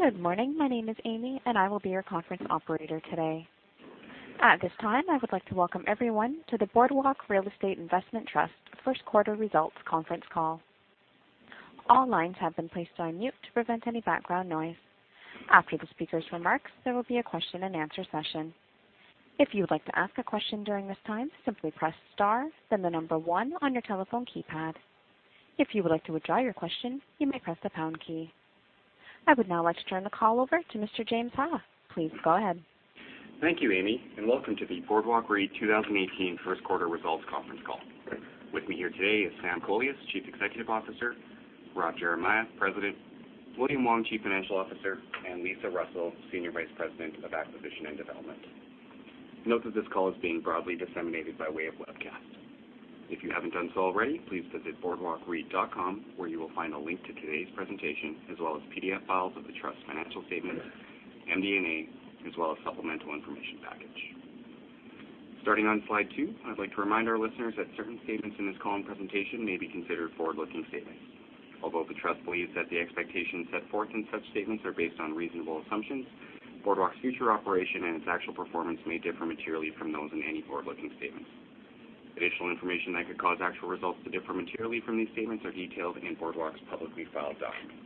Good morning. My name is Amy, and I will be your conference operator today. At this time, I would like to welcome everyone to the Boardwalk Real Estate Investment Trust First Quarter Results Conference Call. All lines have been placed on mute to prevent any background noise. After the speakers' remarks, there will be a question-and-answer session. If you would like to ask a question during this time, simply press star then the number 1 on your telephone keypad. If you would like to withdraw your question, you may press the pound key. I would now like to turn the call over to Mr. James Ha. Please go ahead. Thank you, Amy, and welcome to the Boardwalk REIT 2018 First Quarter Results Conference Call. With me here today is Sam Kolias, Chief Executive Officer, Rob Geremia, President, William Wong, Chief Financial Officer, and Lisa Russell, Senior Vice President of Acquisition and Development. Note that this call is being broadly disseminated by way of webcast. If you haven't done so already, please visit bwalk.com where you will find a link to today's presentation as well as PDF files of the trust's financial statements, MD&A, as well as supplemental information package. Starting on slide two, I'd like to remind our listeners that certain statements in this call and presentation may be considered forward-looking statements. Although the trust believes that the expectations set forth in such statements are based on reasonable assumptions, Boardwalk's future operation and its actual performance may differ materially from those in any forward-looking statements. Additional information that could cause actual results to differ materially from these statements are detailed in Boardwalk's publicly filed documents.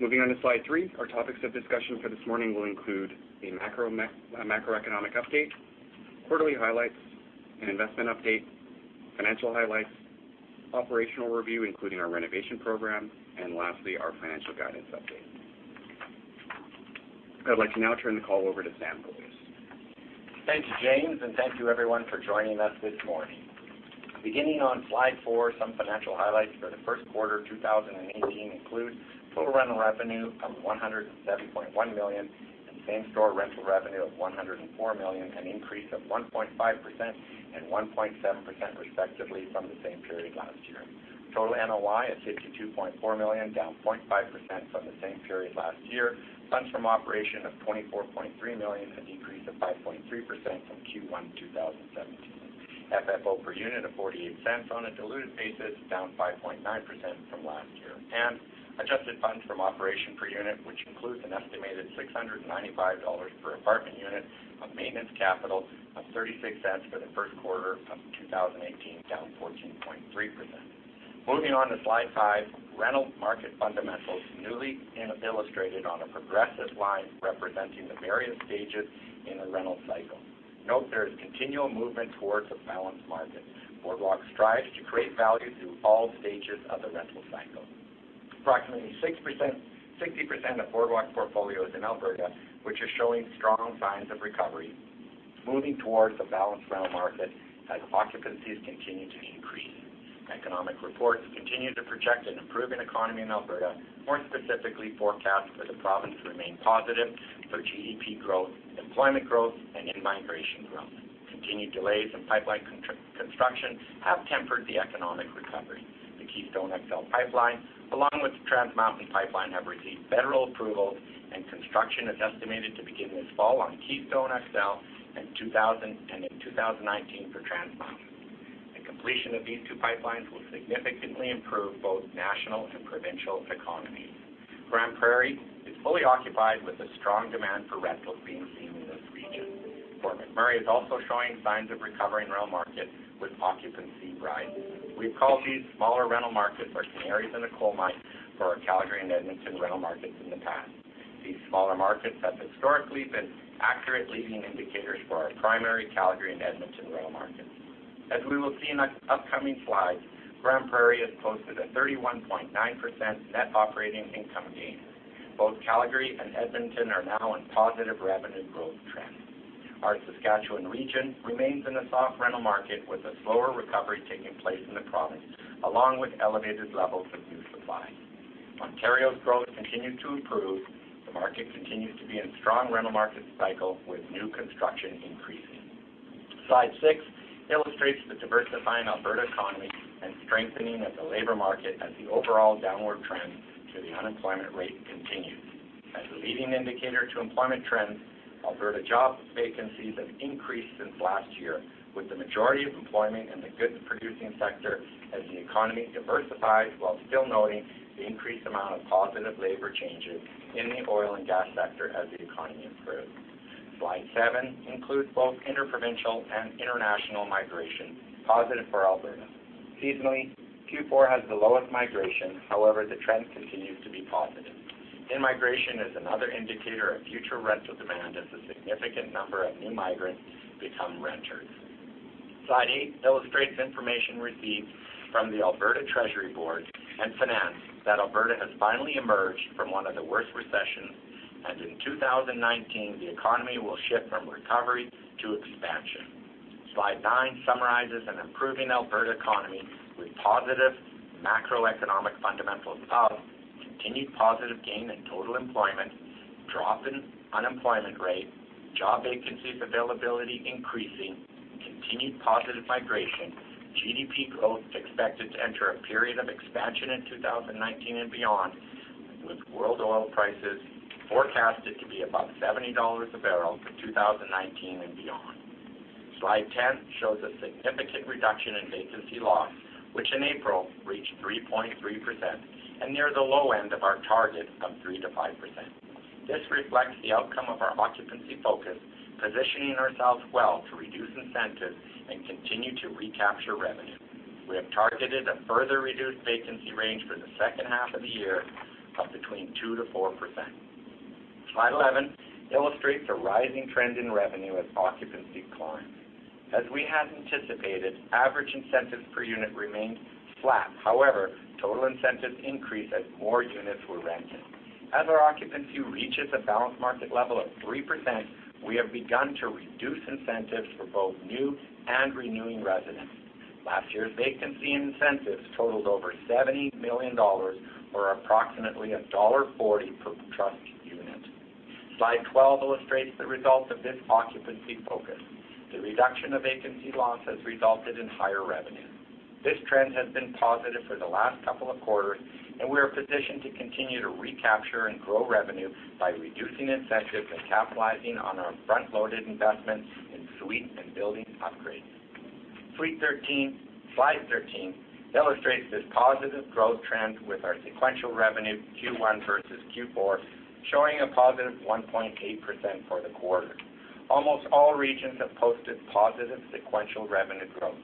Moving on to slide three, our topics of discussion for this morning will include a macroeconomic update, quarterly highlights, an investment update, financial highlights, operational review, including our renovation program, and lastly, our financial guidance update. I'd like to now turn the call over to Sam Kolias. Thanks, James, and thank you, everyone, for joining us this morning. Beginning on slide four, some financial highlights for the first quarter 2018 include total rental revenue of 107.1 million and same-store rental revenue of 104 million, an increase of 1.5% and 1.7%, respectively, from the same period last year. Total NOI at 52.4 million, down 0.5% from the same period last year. Funds from operation of 24.3 million, a decrease of 5.3% from Q1 2017. FFO per unit of 0.48 on a diluted basis, down 5.9% from last year. Adjusted funds from operation per unit, which includes an estimated 695 dollars per apartment unit of maintenance capital of 0.36 for the first quarter of 2018, down 14.3%. Moving on to slide five, rental market fundamentals newly and illustrated on a progressive line representing the various stages in a rental cycle. Note there is continual movement towards a balanced market. Boardwalk strives to create value through all stages of the rental cycle. Approximately 60% of Boardwalk portfolio is in Alberta, which is showing strong signs of recovery, moving towards a balanced rental market as occupancies continue to increase. Economic reports continue to project an improving economy in Alberta. More specifically, forecasts for the province remain positive for GDP growth, employment growth, and in-migration growth. Continued delays in pipeline construction have tempered the economic recovery. The Keystone XL Pipeline, along with the Trans Mountain Pipeline, have received federal approval, and construction is estimated to begin this fall on Keystone XL and in 2019 for Trans Mountain. The completion of these two pipelines will significantly improve both national and provincial economies. Grande Prairie is fully occupied with a strong demand for rentals being seen in this region. Fort McMurray is also showing signs of recovering rental markets with occupancy rising. We've called these smaller rental markets our canaries in the coal mine for our Calgary and Edmonton rental markets in the past. These smaller markets have historically been accurate leading indicators for our primary Calgary and Edmonton rental markets. As we will see in upcoming slides, Grande Prairie has posted a 31.9% net operating income gain. Both Calgary and Edmonton are now in positive revenue growth trends. Our Saskatchewan region remains in a soft rental market with a slower recovery taking place in the province, along with elevated levels of new supply. Ontario's growth continued to improve. The market continues to be in strong rental market cycle with new construction increasing. Slide six illustrates the diversifying Alberta economy and strengthening of the labor market as the overall downward trend to the unemployment rate continues. As a leading indicator to employment trends, Alberta job vacancies have increased since last year, with the majority of employment in the goods-producing sector as the economy diversifies, while still noting the increased amount of positive labor changes in the oil and gas sector as the economy improves. Slide seven includes both inter-provincial and international migration, positive for Alberta. Seasonally, Q4 has the lowest migration. However, the trend continues to be positive. In-migration is another indicator of future rental demand as a significant number of new migrants become renters. Slide eight illustrates information received from the Alberta Treasury Board and Finance that Alberta has finally emerged from one of the worst recessions, and in 2019, the economy will shift from recovery to expansion. Slide nine summarizes an improving Alberta economy with positive macroeconomic fundamentals, continued positive gain in total employment, drop in unemployment rate, job vacancies availability increasing, continued positive migration, GDP growth expected to enter a period of expansion in 2019 and beyond, with world oil prices forecasted to be above 70 dollars a barrel for 2019 and beyond. Slide 10 shows a significant reduction in vacancy loss, which in April reached 3.3%, and near the low end of our target of 3%-5%. This reflects the outcome of our occupancy focus, positioning ourselves well to reduce incentives and continue to recapture revenue. We have targeted a further reduced vacancy range for the second half of the year of between 2%-4%. Slide 11 illustrates a rising trend in revenue as occupancy climbs. As we had anticipated, average incentives per unit remained flat. total incentives increased as more units were rented. As our occupancy reaches a balanced market level of 3%, we have begun to reduce incentives for both new and renewing residents. Last year's vacancy incentives totaled over 70 million dollars or approximately dollar 1.40 per trust unit. Slide 12 illustrates the results of this occupancy focus. The reduction of vacancy loss has resulted in higher revenue. This trend has been positive for the last couple of quarters. We are positioned to continue to recapture and grow revenue by reducing incentives and capitalizing on our front-loaded investments in suite and building upgrades. Slide 13 illustrates this positive growth trend with our sequential revenue Q1 versus Q4, showing a positive 1.8% for the quarter. Almost all regions have posted positive sequential revenue growth.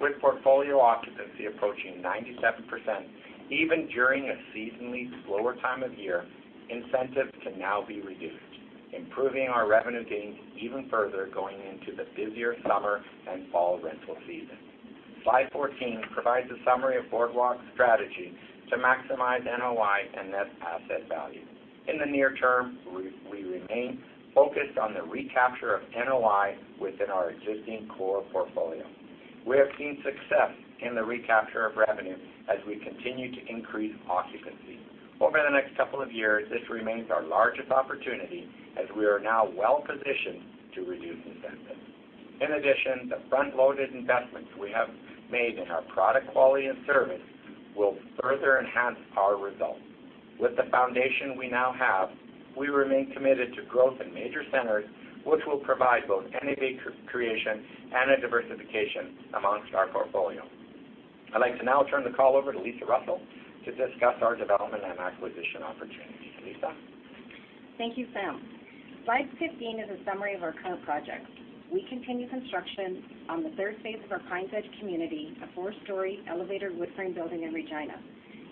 With portfolio occupancy approaching 97%, even during a seasonally slower time of year, incentives can now be reduced, improving our revenue gains even further going into the busier summer and fall rental season. Slide 14 provides a summary of Boardwalk's strategy to maximize NOI and net asset value. In the near term, we remain focused on the recapture of NOI within our existing core portfolio. We have seen success in the recapture of revenue as we continue to increase occupancy. Over the next couple of years, this remains our largest opportunity as we are now well-positioned to reduce incentives. In addition, the front-loaded investments we have made in our product quality and service will further enhance our results. With the foundation we now have, we remain committed to growth in major centers, which will provide both NAV creation and a diversification amongst our portfolio. I'd like to now turn the call over to Lisa Russell to discuss our development and acquisition opportunities. Lisa? Thank you, Sam. Slide 15 is a summary of our current projects. We continue construction on the third phase of our Pines Edge community, a four-story elevator wood frame building in Regina.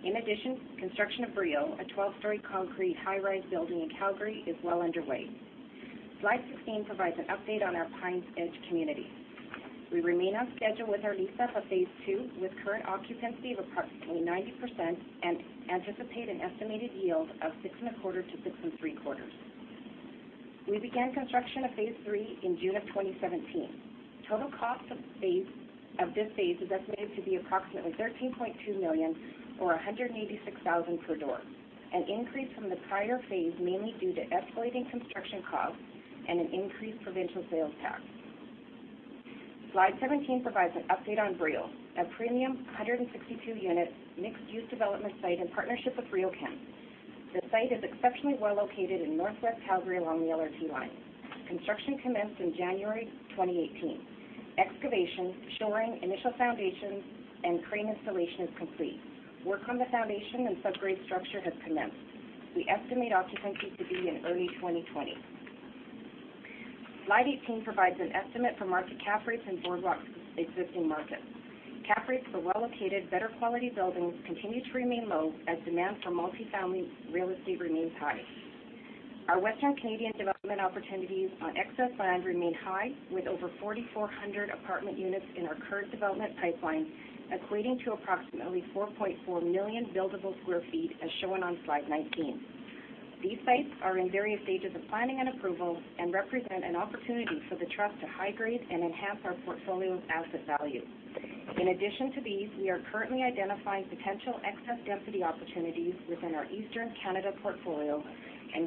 In addition, construction of Brio, a 12-story concrete high-rise building in Calgary, is well underway. Slide 16 provides an update on our Pines Edge community. We remain on schedule with our lease-up of phase 2, with current occupancy of approximately 90%, and anticipate an estimated yield of 6.25%-6.75%. We began construction of phase 3 in June of 2017. Total cost of this phase is estimated to be approximately 13.2 million or 186,000 per door, an increase from the prior phase, mainly due to escalating construction costs and an increased provincial sales tax. Slide 17 provides an update on Brio, a premium 162-unit mixed-use development site in partnership with RioCan. The site is exceptionally well-located in Northwest Calgary along the LRT line. Construction commenced in January 2018. Excavation, shoring, initial foundations, and crane installation is complete. Work on the foundation and subgrade structure has commenced. We estimate occupancy to be in early 2020. Slide 18 provides an estimate for market Cap rates in Boardwalk's existing markets. Cap rates for well-located, better quality buildings continue to remain low as demand for multi-family real estate remains high. Our Western Canadian development opportunities on excess land remain high with over 4,400 apartment units in our current development pipeline, equating to approximately 4.4 million buildable sq ft, as shown on slide 19. These sites are in various stages of planning and approval and represent an opportunity for the trust to high-grade and enhance our portfolio asset value. In addition to these, we are currently identifying potential excess density opportunities within our Eastern Canada portfolio,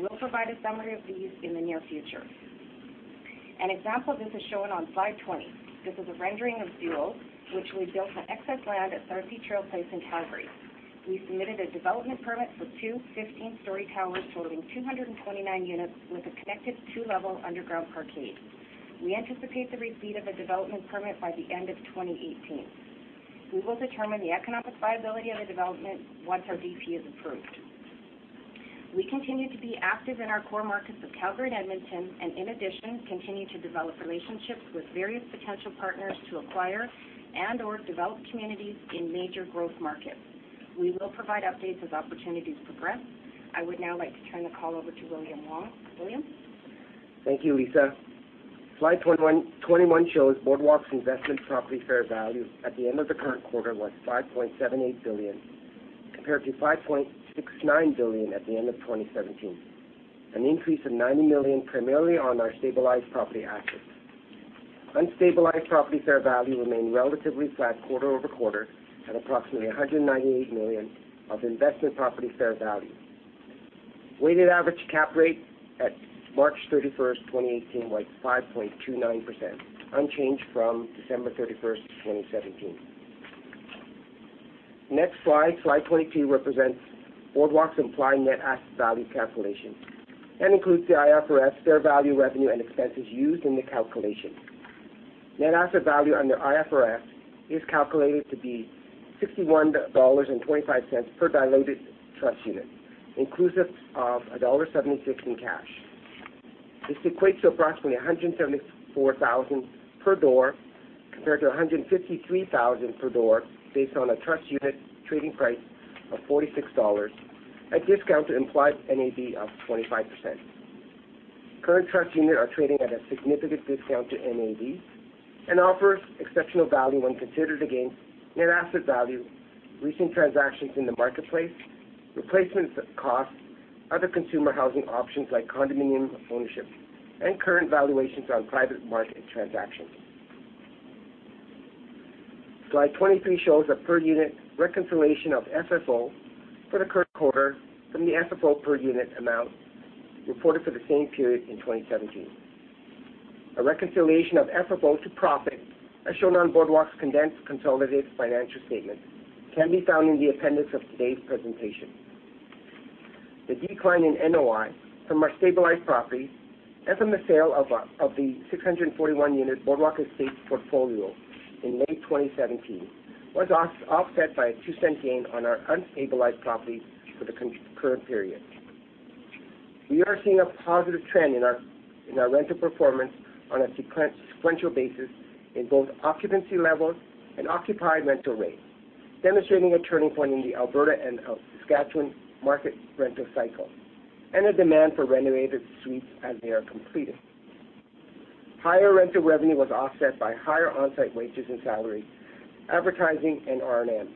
we'll provide a summary of these in the near future. An example of this is shown on slide 20. This is a rendering of Duel, which we built on excess land at Sarcee Trail Place in Calgary. We submitted a development permit for two 15-story towers totaling 229 units with a connected two-level underground parkade. We anticipate the receipt of a development permit by the end of 2018. We will determine the economic viability of the development once our DP is approved. We continue to be active in our core markets of Calgary and Edmonton, in addition, continue to develop relationships with various potential partners to acquire and/or develop communities in major growth markets. We will provide updates as opportunities progress. I would now like to turn the call over to William Wong. William? Thank you, Lisa. Slide 21 shows Boardwalk's investment property fair value at the end of the current quarter was 5.78 billion, compared to 5.69 billion at the end of 2017, an increase of 90 million primarily on our stabilized property assets. Unstabilized property fair value remained relatively flat quarter-over-quarter at approximately 198 million of investment property fair value. Weighted average Cap rate at March 31st, 2018, was 5.29%, unchanged from December 31st, 2017. Next slide 22, represents Boardwalk's implied net asset value calculation and includes the IFRS fair value, revenue, and expenses used in the calculation. Net asset value under IFRS is calculated to be 61.25 dollars per diluted trust unit, inclusive of dollar 1.76 in cash. This equates to approximately 174,000 per door, compared to 153,000 per door, based on a trust unit trading price of 46 dollars, a discount to implied NAV of 25%. Current trust units are trading at a significant discount to NAV and offers exceptional value when considered against net asset value, recent transactions in the marketplace, replacement cost, other consumer housing options like condominium ownership, and current valuations on private market transactions. Slide 23 shows a per-unit reconciliation of FFO for the current quarter from the FFO per unit amount reported for the same period in 2017. A reconciliation of FFO to profit, as shown on Boardwalk's condensed consolidated financial statement, can be found in the appendix of today's presentation. The decline in NOI from our stabilized properties and from the sale of the 641-unit Boardwalk Estates portfolio in May 2017 was offset by a 0.02 gain on our unstabilized properties for the current period. We are seeing a positive trend in our rental performance on a sequential basis in both occupancy levels and occupied rental rates, demonstrating a turning point in the Alberta and Saskatchewan market rental cycle and a demand for renovated suites as they are completed. Higher rental revenue was offset by higher on-site wages and salaries, advertising, and R&M.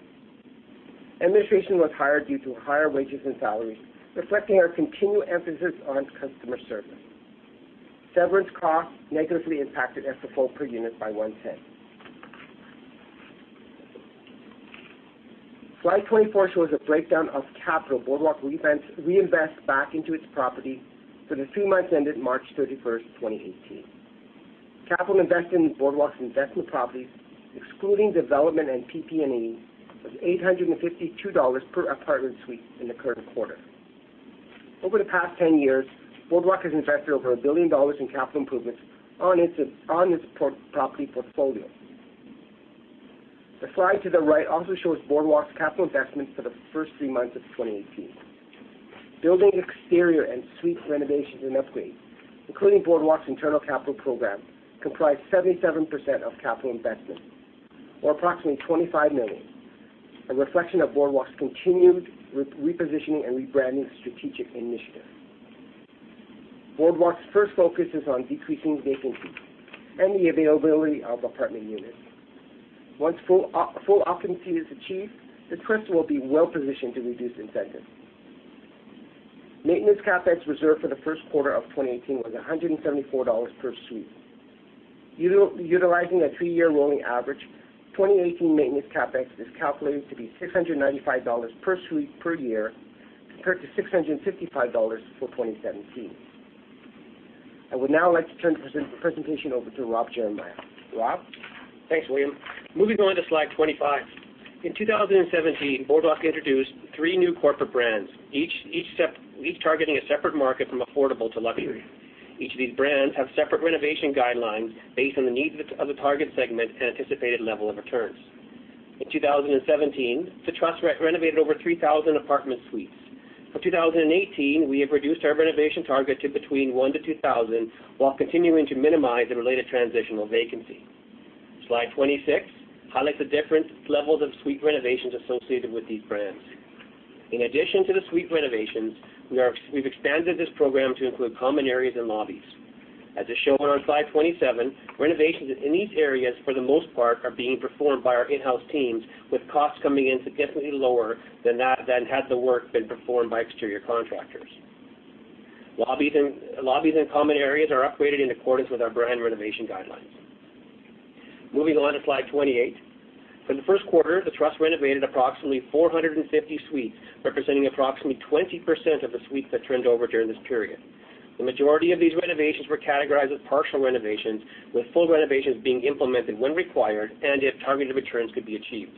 Administration was higher due to higher wages and salaries, reflecting our continued emphasis on customer service. Severance costs negatively impacted FFO per unit by 0.01. Slide 24 shows a breakdown of capital Boardwalk reinvests back into its property for the three months ended March 31st, 2018. Capital invested in Boardwalk's investment properties, excluding development and PP&E, was 852 dollars per apartment suite in the current quarter. Over the past 10 years, Boardwalk has invested over 1 billion dollars in capital improvements on its property portfolio. The slide to the right also shows Boardwalk's capital investments for the first three months of 2018. Building exterior and suite renovations and upgrades, including Boardwalk's internal capital program, comprise 77% of capital investments or approximately 25 million, a reflection of Boardwalk's continued repositioning and rebranding strategic initiative. Boardwalk's first focus is on decreasing vacancies and the availability of apartment units. Once full occupancy is achieved, the trust will be well-positioned to reduce incentives. Maintenance CapEx reserved for the first quarter of 2018 was 174 dollars per suite. Utilizing a three-year rolling average, 2018 maintenance CapEx is calculated to be 695 dollars per suite per year, compared to 655 dollars for 2017. I would now like to turn the presentation over to Rob Geremia. Rob? Thanks, William. Moving on to slide 25. In 2017, Boardwalk introduced three new corporate brands, each targeting a separate market from affordable to luxury. Each of these brands have separate renovation guidelines based on the needs of the target segment and anticipated level of returns. In 2017, the Trust renovated over 3,000 apartment suites. For 2018, we have reduced our renovation target to between 1 to 2,000, while continuing to minimize the related transitional vacancy. Slide 26 highlights the different levels of suite renovations associated with these brands. In addition to the suite renovations, we've expanded this program to include common areas and lobbies. As is shown on slide 27, renovations in these areas, for the most part, are being performed by our in-house teams, with costs coming in significantly lower than had the work been performed by exterior contractors. Lobbies and common areas are upgraded in accordance with our brand renovation guidelines. Moving on to slide 28. For the first quarter, the Trust renovated approximately 450 suites, representing approximately 20% of the suites that turned over during this period. The majority of these renovations were categorized as partial renovations, with full renovations being implemented when required and if targeted returns could be achieved.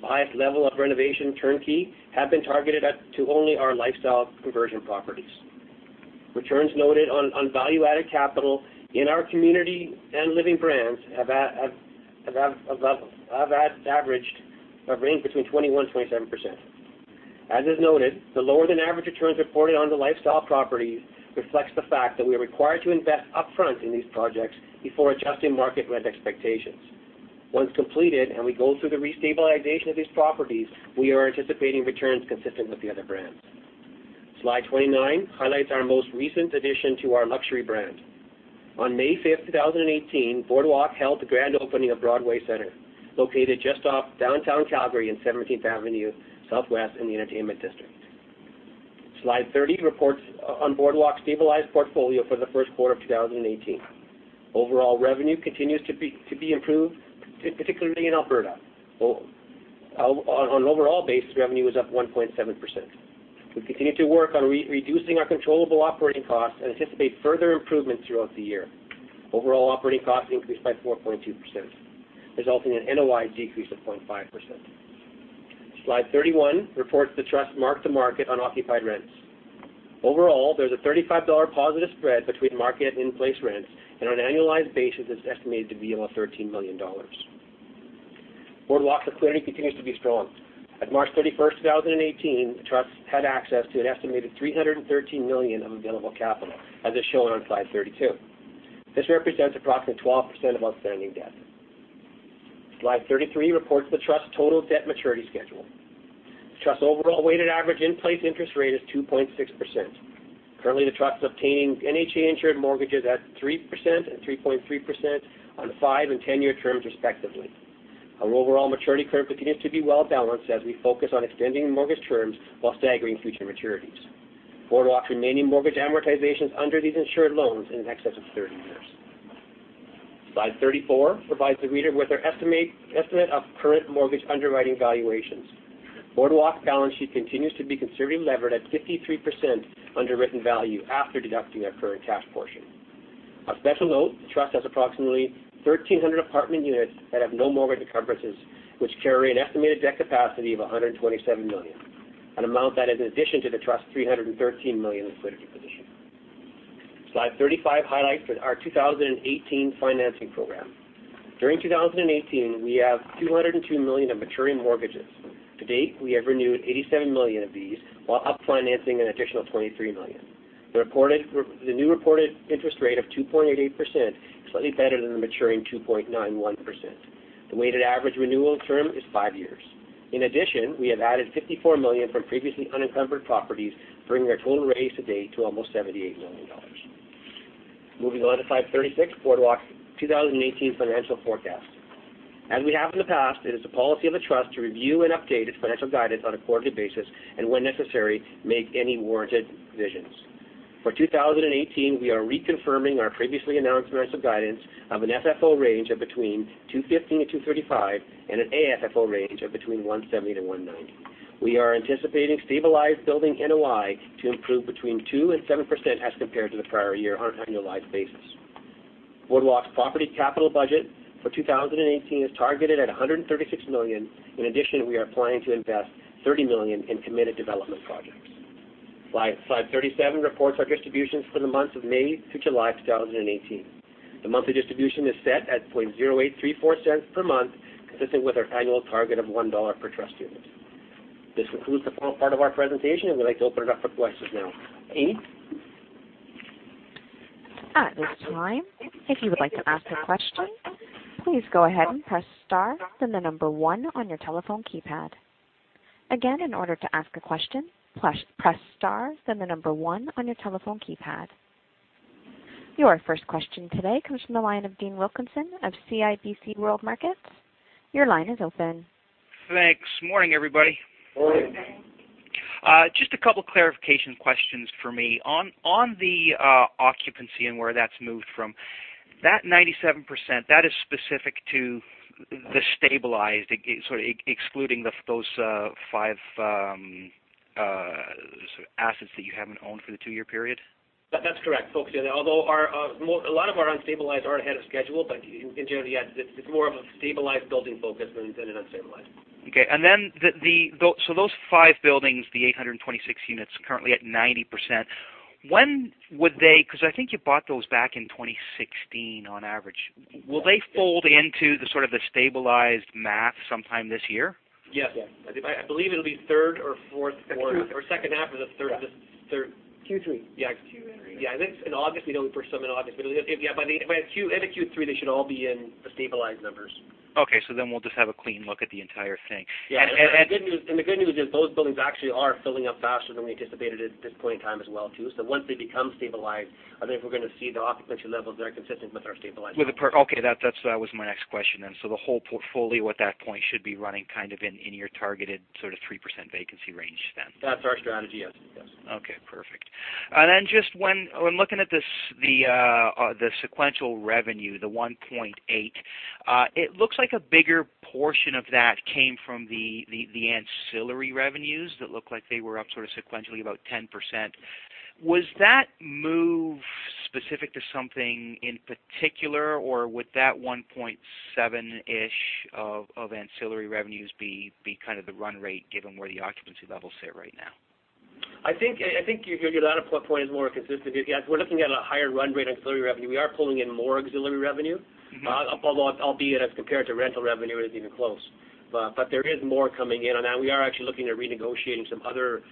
The highest level of renovation turnkey have been targeted to only our lifestyle conversion properties. Returns noted on value-added capital in our community and living brands have ranged between 21% and 27%. As is noted, the lower-than-average returns reported on the lifestyle properties reflects the fact that we are required to invest upfront in these projects before adjusting market rent expectations. Once completed and we go through the restabilization of these properties, we are anticipating returns consistent with the other brands. Slide 29 highlights our most recent addition to our luxury brand. On May 5th, 2018, Boardwalk held the grand opening of Broadway Centre, located just off downtown Calgary on 17th Avenue Southwest in the entertainment district. Slide 30 reports on Boardwalk's stabilized portfolio for the first quarter of 2018. Overall revenue continues to be improved, particularly in Alberta. On an overall basis, revenue is up 1.7%. We continue to work on reducing our controllable operating costs and anticipate further improvements throughout the year. Overall operating costs increased by 4.2%, resulting in an NOI decrease of 0.5%. Slide 31 reports the Trust mark-to-market on occupied rents. Overall, there's a 35 dollar positive spread between market and in-place rents, and on an annualized basis, it's estimated to be below 13 million dollars. Boardwalk's liquidity continues to be strong. At March 31st, 2018, the Trust had access to an estimated 313 million of available capital, as is shown on Slide 32. This represents approximately 12% of outstanding debt. Slide 33 reports the Trust's total debt maturity schedule. The Trust's overall weighted average in-place interest rate is 2.6%. Currently, the Trust's obtaining NHA-insured mortgages at 3% and 3.3% on five- and 10-year terms, respectively. Our overall maturity curve continues to be well-balanced as we focus on extending mortgage terms while staggering future maturities. Boardwalk's remaining mortgage amortization is under these insured loans in excess of 30 years. Slide 34 provides the reader with our estimate of current mortgage underwriting valuations. Boardwalk's balance sheet continues to be considerably levered at 53% underwritten value after deducting our current cash portion. A special note, the Trust has approximately 1,300 apartment units that have no mortgage encumbrances, which carry an estimated debt capacity of 127 million, an amount that is in addition to the Trust's 313 million in liquidity position. Slide 35 highlights our 2018 financing program. During 2018, we have 202 million of maturing mortgages. To date, we have renewed 87 million of these, while up-financing an additional 23 million. The new reported interest rate of 2.88%, slightly better than the maturing 2.91%. The weighted average renewal term is five years. In addition, we have added 54 million from previously unencumbered properties, bringing our total raise to date to almost 78 million dollars. Moving on to Slide 36, Boardwalk's 2018 financial forecast. As we have in the past, it is the policy of the Trust to review and update its financial guidance on a quarterly basis, and when necessary, make any warranted revisions. For 2018, we are reconfirming our previously announced financial guidance of an FFO range of between 250 and 235, and an AFFO range of between 170 to 190. We are anticipating stabilized building NOI to improve between 2% and 7% as compared to the prior year on an annualized basis. Boardwalk's property capital budget for 2018 is targeted at 136 million. In addition, we are planning to invest 30 million in committed development projects. Slide 37 reports our distributions for the months of May to July 2018. The monthly distribution is set at 0.0834 per month, consistent with our annual target of 1 dollar per trust unit. This concludes the formal part of our presentation. I would like to open it up for questions now. Amy? At this time, if you would like to ask a question, please go ahead and press star, then the number one on your telephone keypad. Again, in order to ask a question, press star, then the number one on your telephone keypad. Your first question today comes from the line of Dean Wilkinson of CIBC World Markets. Your line is open. Thanks. Morning, everybody. Morning. Just a couple clarification questions from me. On the occupancy and where that's moved from, that 97%, that is specific to the stabilized, sort of excluding those five assets that you haven't owned for the two-year period? That's correct. Although a lot of our unstabilized are ahead of schedule, in general, yeah, it's more of a stabilized building focus than it is unstabilized. Okay. Those five buildings, the 826 units currently at 90%. Because I think you bought those back in 2016 on average. Will they fold into the sort of the stabilized math sometime this year? Yes. I believe it will be third or fourth quarter. Second half of the third. Q3. Yeah. Q3. Yeah. I think some in August, we don't put some in August. Yeah, by the Q3, they should all be in the stabilized numbers. Okay. We will just have a clean look at the entire thing. Yeah. The good news is those buildings actually are filling up faster than we anticipated at this point in time as well too. Once they become stabilized, I think we are going to see the occupancy levels there consistent with our stabilized numbers. That was my next question then. The whole portfolio at that point should be running kind of in your targeted sort of 3% vacancy range then. That's our strategy, yes. Okay, perfect. Just when looking at the sequential revenue, the 1.8, it looks like a bigger portion of that came from the ancillary revenues, that look like they were up sort of sequentially about 10%. Was that move specific to something in particular, or would that 1.7-ish of ancillary revenues be kind of the run rate given where the occupancy levels sit right now? I think your latter point is more consistent. We're looking at a higher run rate on ancillary revenue. We are pulling in more auxiliary revenue. Although, albeit as compared to rental revenue, it isn't even close. There is more coming in on that. We are actually looking at renegotiating some other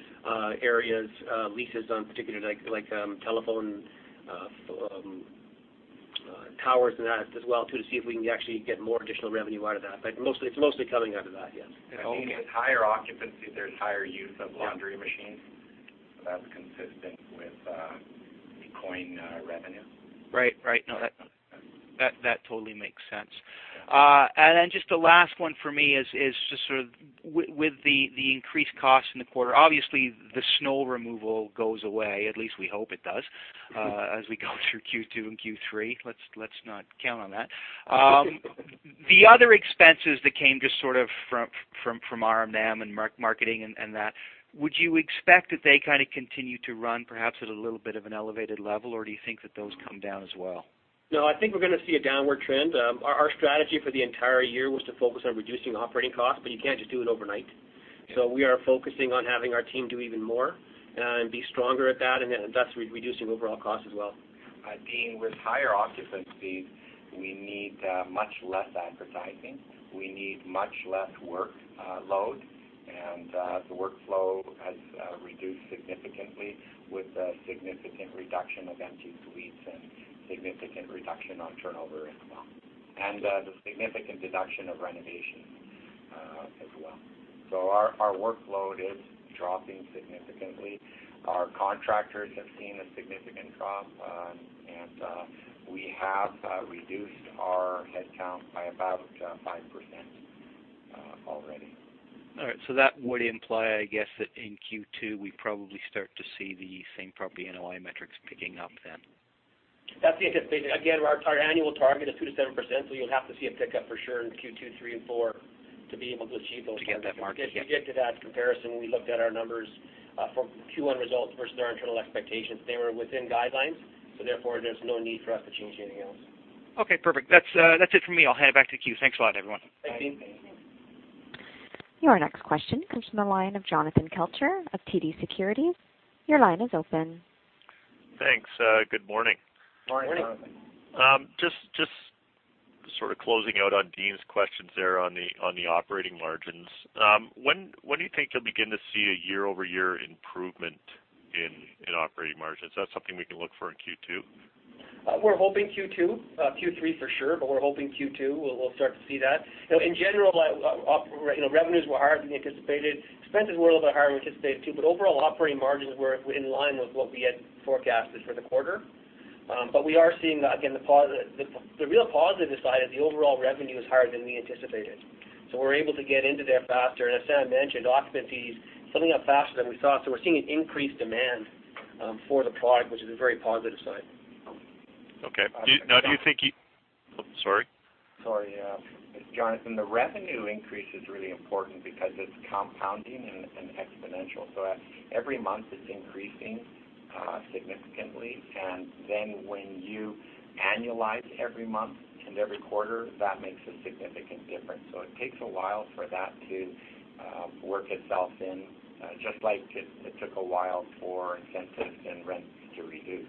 areas leases on particular, like telephone towers and that as well too, to see if we can actually get more additional revenue out of that. It's mostly coming out of that, yes. I think it's higher occupancy, there's higher use of laundry machines. That's consistent with the coin revenue. Right. No. That totally makes sense. Then just the last one for me is just sort of with the increased cost in the quarter, obviously the snow removal goes away. At least we hope it does as we go through Q2 and Q3. Let's not count on that. The other expenses that came just sort of from R&M and marketing and that, would you expect that they kind of continue to run perhaps at a little bit of an elevated level, or do you think that those come down as well? No, I think we're going to see a downward trend. Our strategy for the entire year was to focus on reducing operating costs, you can't just do it overnight. We are focusing on having our team do even more and be stronger at that, and thus we're reducing overall costs as well. Dean, with higher occupancy, we need much less advertising. We need much less workload. The workflow has reduced significantly with the significant reduction of empty suites and significant reduction on turnover as well, and the significant reduction of renovation as well. Our workload is dropping significantly. Our contractors have seen a significant drop, and we have reduced our headcount by about 5% already. All right. That would imply, I guess, that in Q2, we probably start to see the same property NOI metrics picking up then. That's the anticipated. Again, our annual target is 2%-7%, you'll have to see a pickup for sure in Q2, Q3, and Q4 to be able to achieve those. To get that margin, yeah. If you get to that comparison, when we looked at our numbers for Q1 results versus our internal expectations, they were within guidelines, so therefore there's no need for us to change anything else. Okay, perfect. That's it for me. I'll hand it back to Amy. Thanks a lot, everyone. Thanks, Dean. Thanks. Your next question comes from the line of Jonathan Kelcher of TD Securities. Your line is open. Thanks. Good morning. Morning. Morning. Just sort of closing out on Dean's questions there on the operating margins. When do you think you'll begin to see a year-over-year improvement in operating margins? Is that something we can look for in Q2? We're hoping Q2. Q3 for sure, we're hoping Q2 we'll start to see that. In general, revenues were higher than we anticipated. Expenses were a little bit higher than we anticipated, too, overall operating margins were in line with what we had forecasted for the quarter. We are seeing, again, the real positive side is the overall revenue is higher than we anticipated. We're able to get into there faster. As Sam mentioned, occupancies filling up faster than we thought. We're seeing an increased demand for the product, which is a very positive sign. Okay. Do you think Sorry. Sorry. Jonathan, the revenue increase is really important because it's compounding and exponential. Every month it's increasing significantly, then when you annualize every month and every quarter, that makes a significant difference. It takes a while for that to work itself in, just like it took a while for incentives and rents to reduce.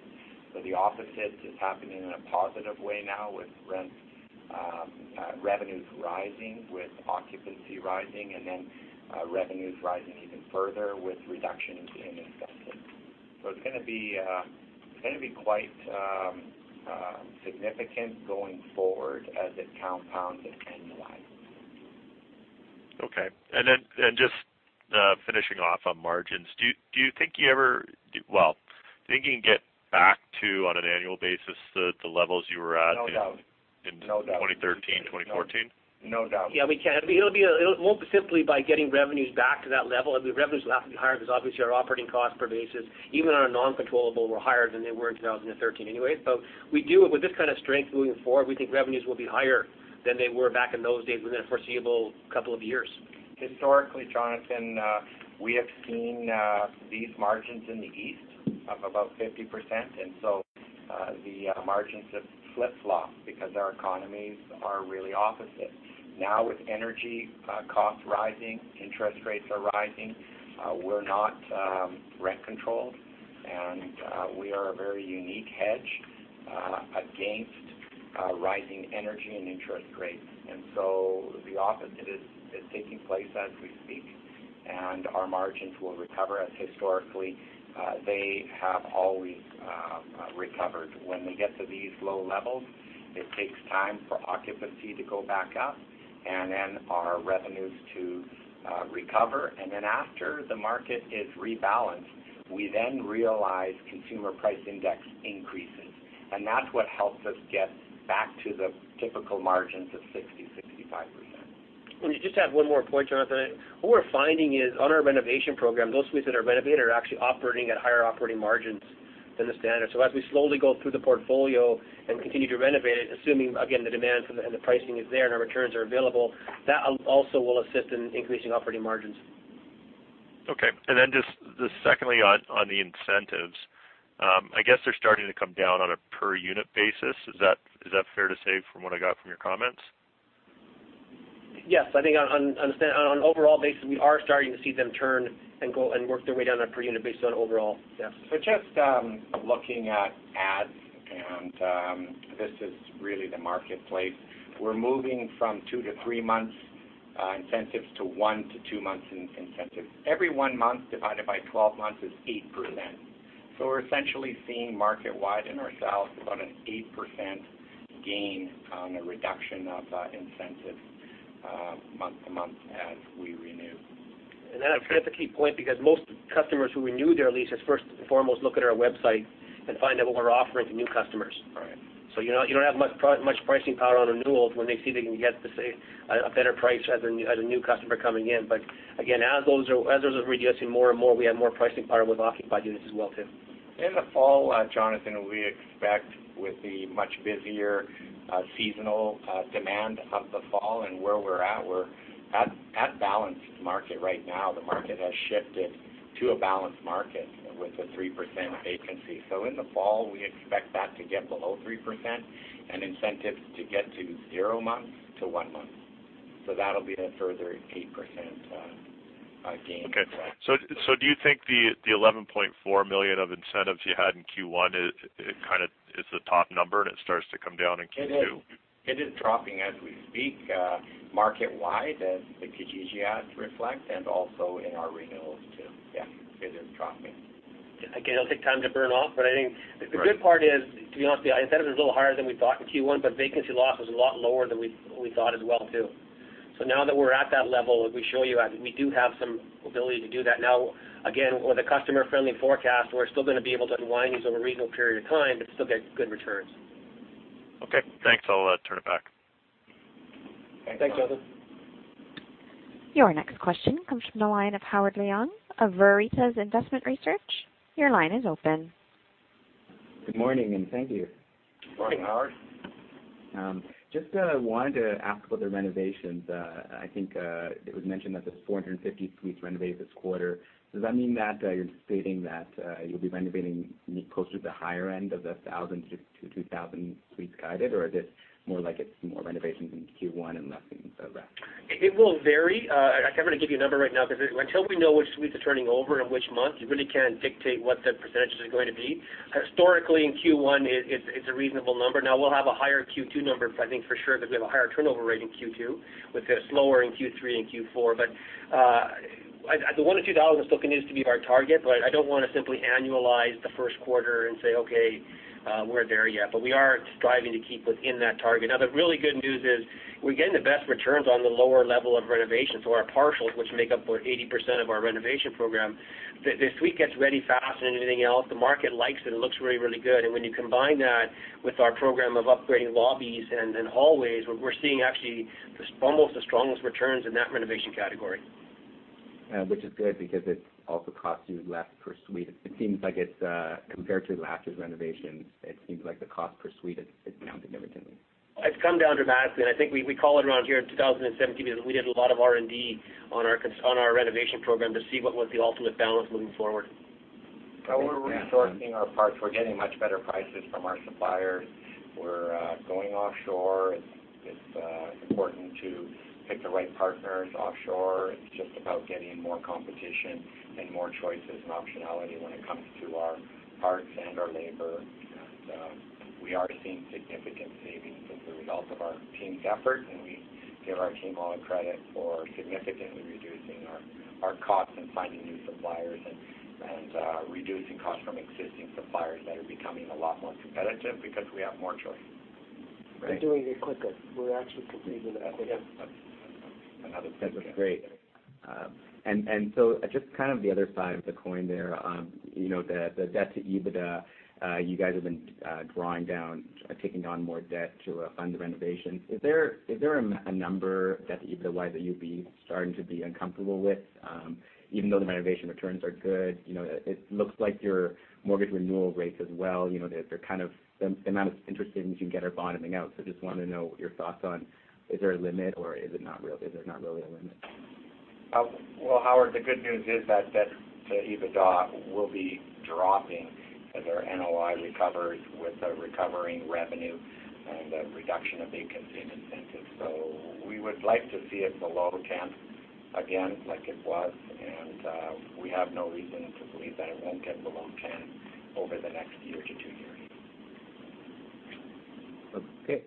The opposite is happening in a positive way now with revenues rising, with occupancy rising, then revenues rising even further with reduction in incentives. It's going to be quite significant going forward as it compounds and annualizes. Okay. Just finishing off on margins. Do you think you can get back to, on an annual basis, the levels you were at- No doubt in 2013, 2014? No doubt. Yeah, we can. It won't be simply by getting revenues back to that level. I mean, revenues will have to be higher because obviously our operating costs per basis, even on a non-controllable, were higher than they were in 2013 anyway. With this kind of strength moving forward, we think revenues will be higher than they were back in those days within a foreseeable couple of years. Historically, Jonathan, we have seen these margins in the East of about 50%. The margins have flip-flopped because our economies are really opposite. Now, with energy costs rising, interest rates are rising. We're not rent controlled, and we are a very unique hedge against rising energy and interest rates. The opposite is taking place as we speak, and our margins will recover as historically they have always recovered. When we get to these low levels, it takes time for occupancy to go back up, and then our revenues to recover. After the market is rebalanced, we then realize consumer price index increases, and that's what helps us get back to the typical margins of 60%-65%. Let me just add one more point, Jonathan. What we're finding is on our renovation program, those suites that are renovated are actually operating at higher operating margins than the standard. As we slowly go through the portfolio and continue to renovate it, assuming, again, the demand and the pricing is there, and our returns are available, that also will assist in increasing operating margins. Okay. Secondly on the incentives. I guess they are starting to come down on a per-unit basis. Is that fair to say from what I got from your comments? Yes. I think on an overall basis, we are starting to see them turn and work their way down on a per-unit basis on overall, yes. Just looking at ads, and this is really the marketplace. We are moving from two to three months incentives to one to two months incentives. Every one month divided by 12 months is 8%. We are essentially seeing market-wide in ourselves about an 8% gain on a reduction of incentives month-to-month as we renew. That is a key point because most customers who renew their leases first and foremost look at our website and find out what we are offering to new customers. Right. You don't have much pricing power on renewals when they see they can get, let's say, a better price as a new customer coming in. Again, as those are reducing more and more, we have more pricing power with occupied units as well too. In the fall, Jonathan, we expect with the much busier seasonal demand of the fall and where we're at, we're at balanced market right now. The market has shifted to a balanced market with a 3% vacancy. In the fall, we expect that to get below 3% and incentives to get to zero months-one month. That'll be the further 8% gain. Okay. Do you think the 11.4 million of incentives you had in Q1 is the top number, and it starts to come down in Q2? It is dropping as we speak, market-wide as the CGAs reflect, and also in our renewals too. Yeah, it is dropping. It'll take time to burn off, I think the good part is, to be honest with you, incentives are a little higher than we thought in Q1, vacancy loss was a lot lower than we thought as well too. Now that we're at that level, as we show you, we do have some ability to do that. Again, with a customer-friendly forecast, we're still going to be able to unwind these over a reasonable period of time but still get good returns. Okay. Thanks. I'll turn it back. Thanks, Jonathan. Your next question comes from the line of Howard Leung of Veritas Investment Research. Your line is open. Good morning, and thank you. Good morning, Howard. Just wanted to ask about the renovations. I think it was mentioned that there's 450 suites renovated this quarter. Does that mean that you're stating that you'll be renovating closer to the higher end of the 1,000 to 2,000 suites guided, or is it more like it's more renovations in Q1 and nothing after that? It will vary. I can't really give you a number right now because until we know which suites are turning over in which month, you really can't dictate what the percentages are going to be. Historically, in Q1 it's a reasonable number. We'll have a higher Q2 number, I think for sure, because we have a higher turnover rate in Q2. We've got a slower in Q3 and Q4. The 1,000 to 2,000 dollars still continues to be our target, but I don't want to simply annualize the first quarter and say, "Okay, we're there yet." We are striving to keep within that target. The really good news is we're getting the best returns on the lower level of renovations or our partials, which make up for 80% of our renovation program. The suite gets ready fast and everything else. The market likes it. It looks really, really good. When you combine that with our program of upgrading lobbies and hallways, we're seeing actually almost the strongest returns in that renovation category. Which is good because it also costs you less per suite. It seems like compared to last year's renovations, it seems like the cost per suite has come down significantly. It's come down dramatically, and I think we call it around here in 2017. We did a lot of R&D on our renovation program to see what was the ultimate balance moving forward. Well, we're resourcing our parts. We're getting much better prices from our suppliers. We're going offshore. It's important to pick the right partners offshore. It's just about getting more competition and more choices and optionality when it comes to our parts and our labor. We are seeing significant savings as a result of our team's effort, and we give our team all the credit for significantly reducing our costs and finding new suppliers and reducing costs from existing suppliers that are becoming a lot more competitive because we have more choice. We're doing it quicker. We're actually completing it quicker. Yeah. Another tick. Sounds great. Just kind of the other side of the coin there, the debt to EBITDA, you guys have been drawing down, taking on more debt to fund the renovations. Is there a number, debt to EBITDA wise, that you'd be starting to be uncomfortable with? Even though the renovation returns are good, it looks like your mortgage renewal rates as well, the amount of interest you can get are bottoming out. Just wanted to know your thoughts on, is there a limit, or is there not really a limit? Well, Howard, the good news is that debt to EBITDA will be dropping as our NOI recovers with the recovering revenue and the reduction of vacancy and incentives. We would like to see it below 10 again like it was, and we have no reason to believe that it won't get below 10 over the next year to two years. Okay.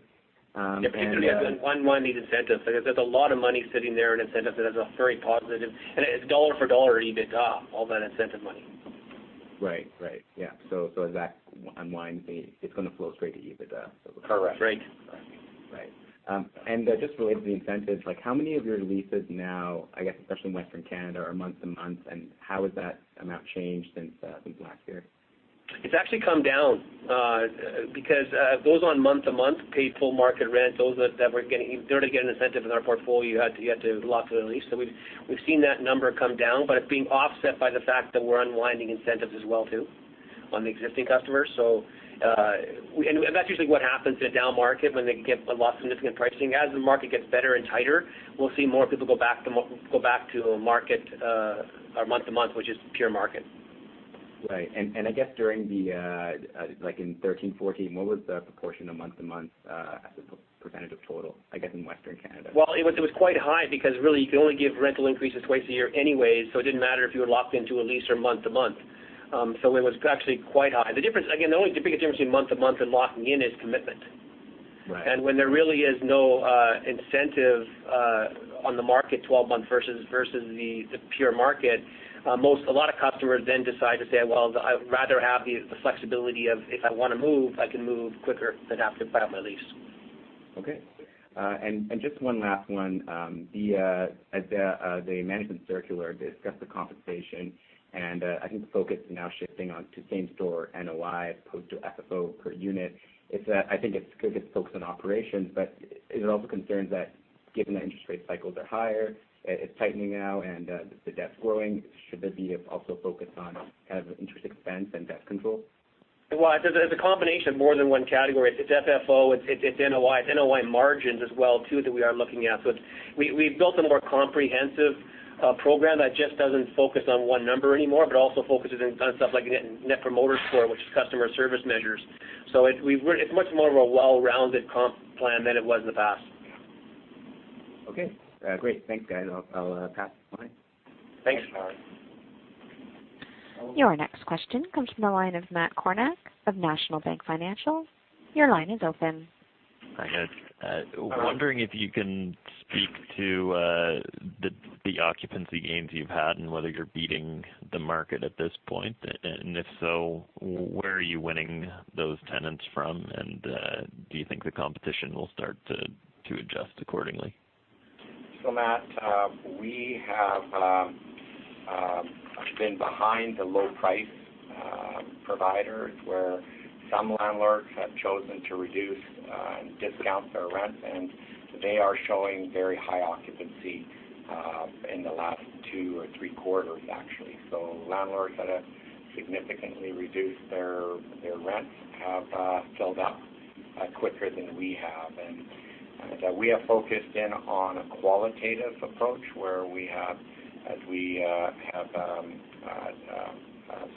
Particularly as we unwind the incentives. There's a lot of money sitting there in incentives, and that's very positive. It's dollar for dollar EBITDA, all that incentive money. Right. Yeah. As that unwinds, it's going to flow straight to EBITDA. Correct. Right. Right. Just related to the incentives, how many of your leases now, I guess especially in Western Canada, are month to month, and how has that amount changed since last year? It's actually come down. Those on month to month pay full market rent. In order to get an incentive in our portfolio, you had to lock the lease. We've seen that number come down, but it's being offset by the fact that we're unwinding incentives as well too on the existing customers. That's usually what happens in a down market when they get a lot of significant pricing. As the market gets better and tighter, we'll see more people go back to market or month to month, which is pure market. Right. I guess during like in 2013, 2014, what was the proportion of month to month as a percentage of total, I guess, in Western Canada? Well, it was quite high because really you can only give rental increases twice a year anyway, so it didn't matter if you were locked into a lease or month to month. It was actually quite high. The only big difference between month to month and locking in is commitment. Right. When there really is no incentive on the market 12-month versus the pure market, a lot of customers then decide to say, "Well, I'd rather have the flexibility of if I want to move, I can move quicker than have to buy out my lease. Okay. Just one last one. The management circular discussed the compensation. I think the focus is now shifting on to same-store NOI as opposed to FFO per unit. I think it's good to focus on operations. Is it also concerns that given that interest rate cycles are higher, it's tightening now and the debt's growing, should the view also focus on kind of interest expense and debt control? Well, it's a combination of more than one category. It's FFO, it's NOI. It's NOI margins as well too, that we are looking at. We've built a more comprehensive program that just doesn't focus on one number anymore, but also focuses in on stuff like Net Promoter Score, which is customer service measures. It's much more of a well-rounded comp plan than it was in the past. Okay. Great. Thanks, guys. I'll pass the line. Thanks, Howard. Your next question comes from the line of Matt Kornack of National Bank Financial. Your line is open. Thanks. Wondering if you can speak to the occupancy gains you've had and whether you're beating the market at this point. If so, where are you winning those tenants from? Do you think the competition will start to adjust accordingly? Matt, we have been behind the low-price providers, where some landlords have chosen to reduce and discount their rents, and they are showing very high occupancy in the last two or three quarters, actually. Landlords that have significantly reduced their rents have filled up quicker than we have. We have focused in on a qualitative approach where we have, as we have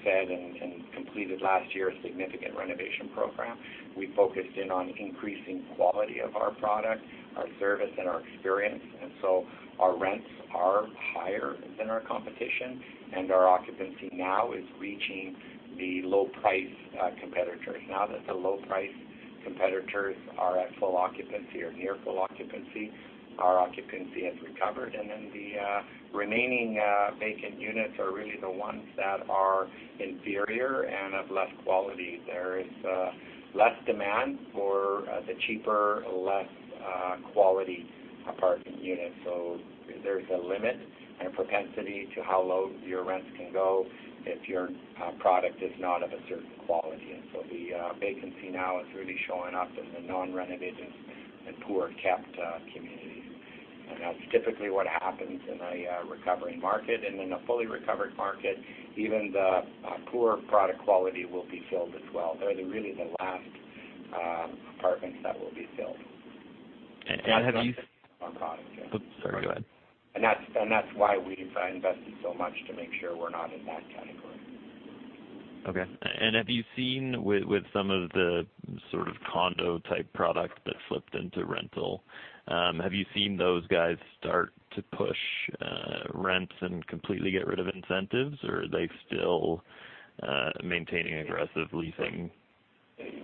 said and completed last year, a significant renovation program. We focused in on increasing quality of our product, our service, and our experience, our rents are higher than our competition, our occupancy now is reaching the low-price competitors. Now that the low-price competitors are at full occupancy or near full occupancy, our occupancy has recovered. The remaining vacant units are really the ones that are inferior and of less quality. There is less demand for the cheaper, less quality apartment units. There's a limit and a propensity to how low your rents can go if your product is not of a certain quality. The vacancy now is really showing up in the non-renovated and poor-kept communities. That's typically what happens in a recovering market. In a fully recovered market, even the poor product quality will be filled as well. They're really the last apartments that will be filled. Have you- Our product. Oops, sorry. Go ahead. That's why we've invested so much to make sure we're not in that category. Okay. Have you seen with some of the sort of condo-type product that's flipped into rental, have you seen those guys start to push rents and completely get rid of incentives, or are they still maintaining aggressive leasing?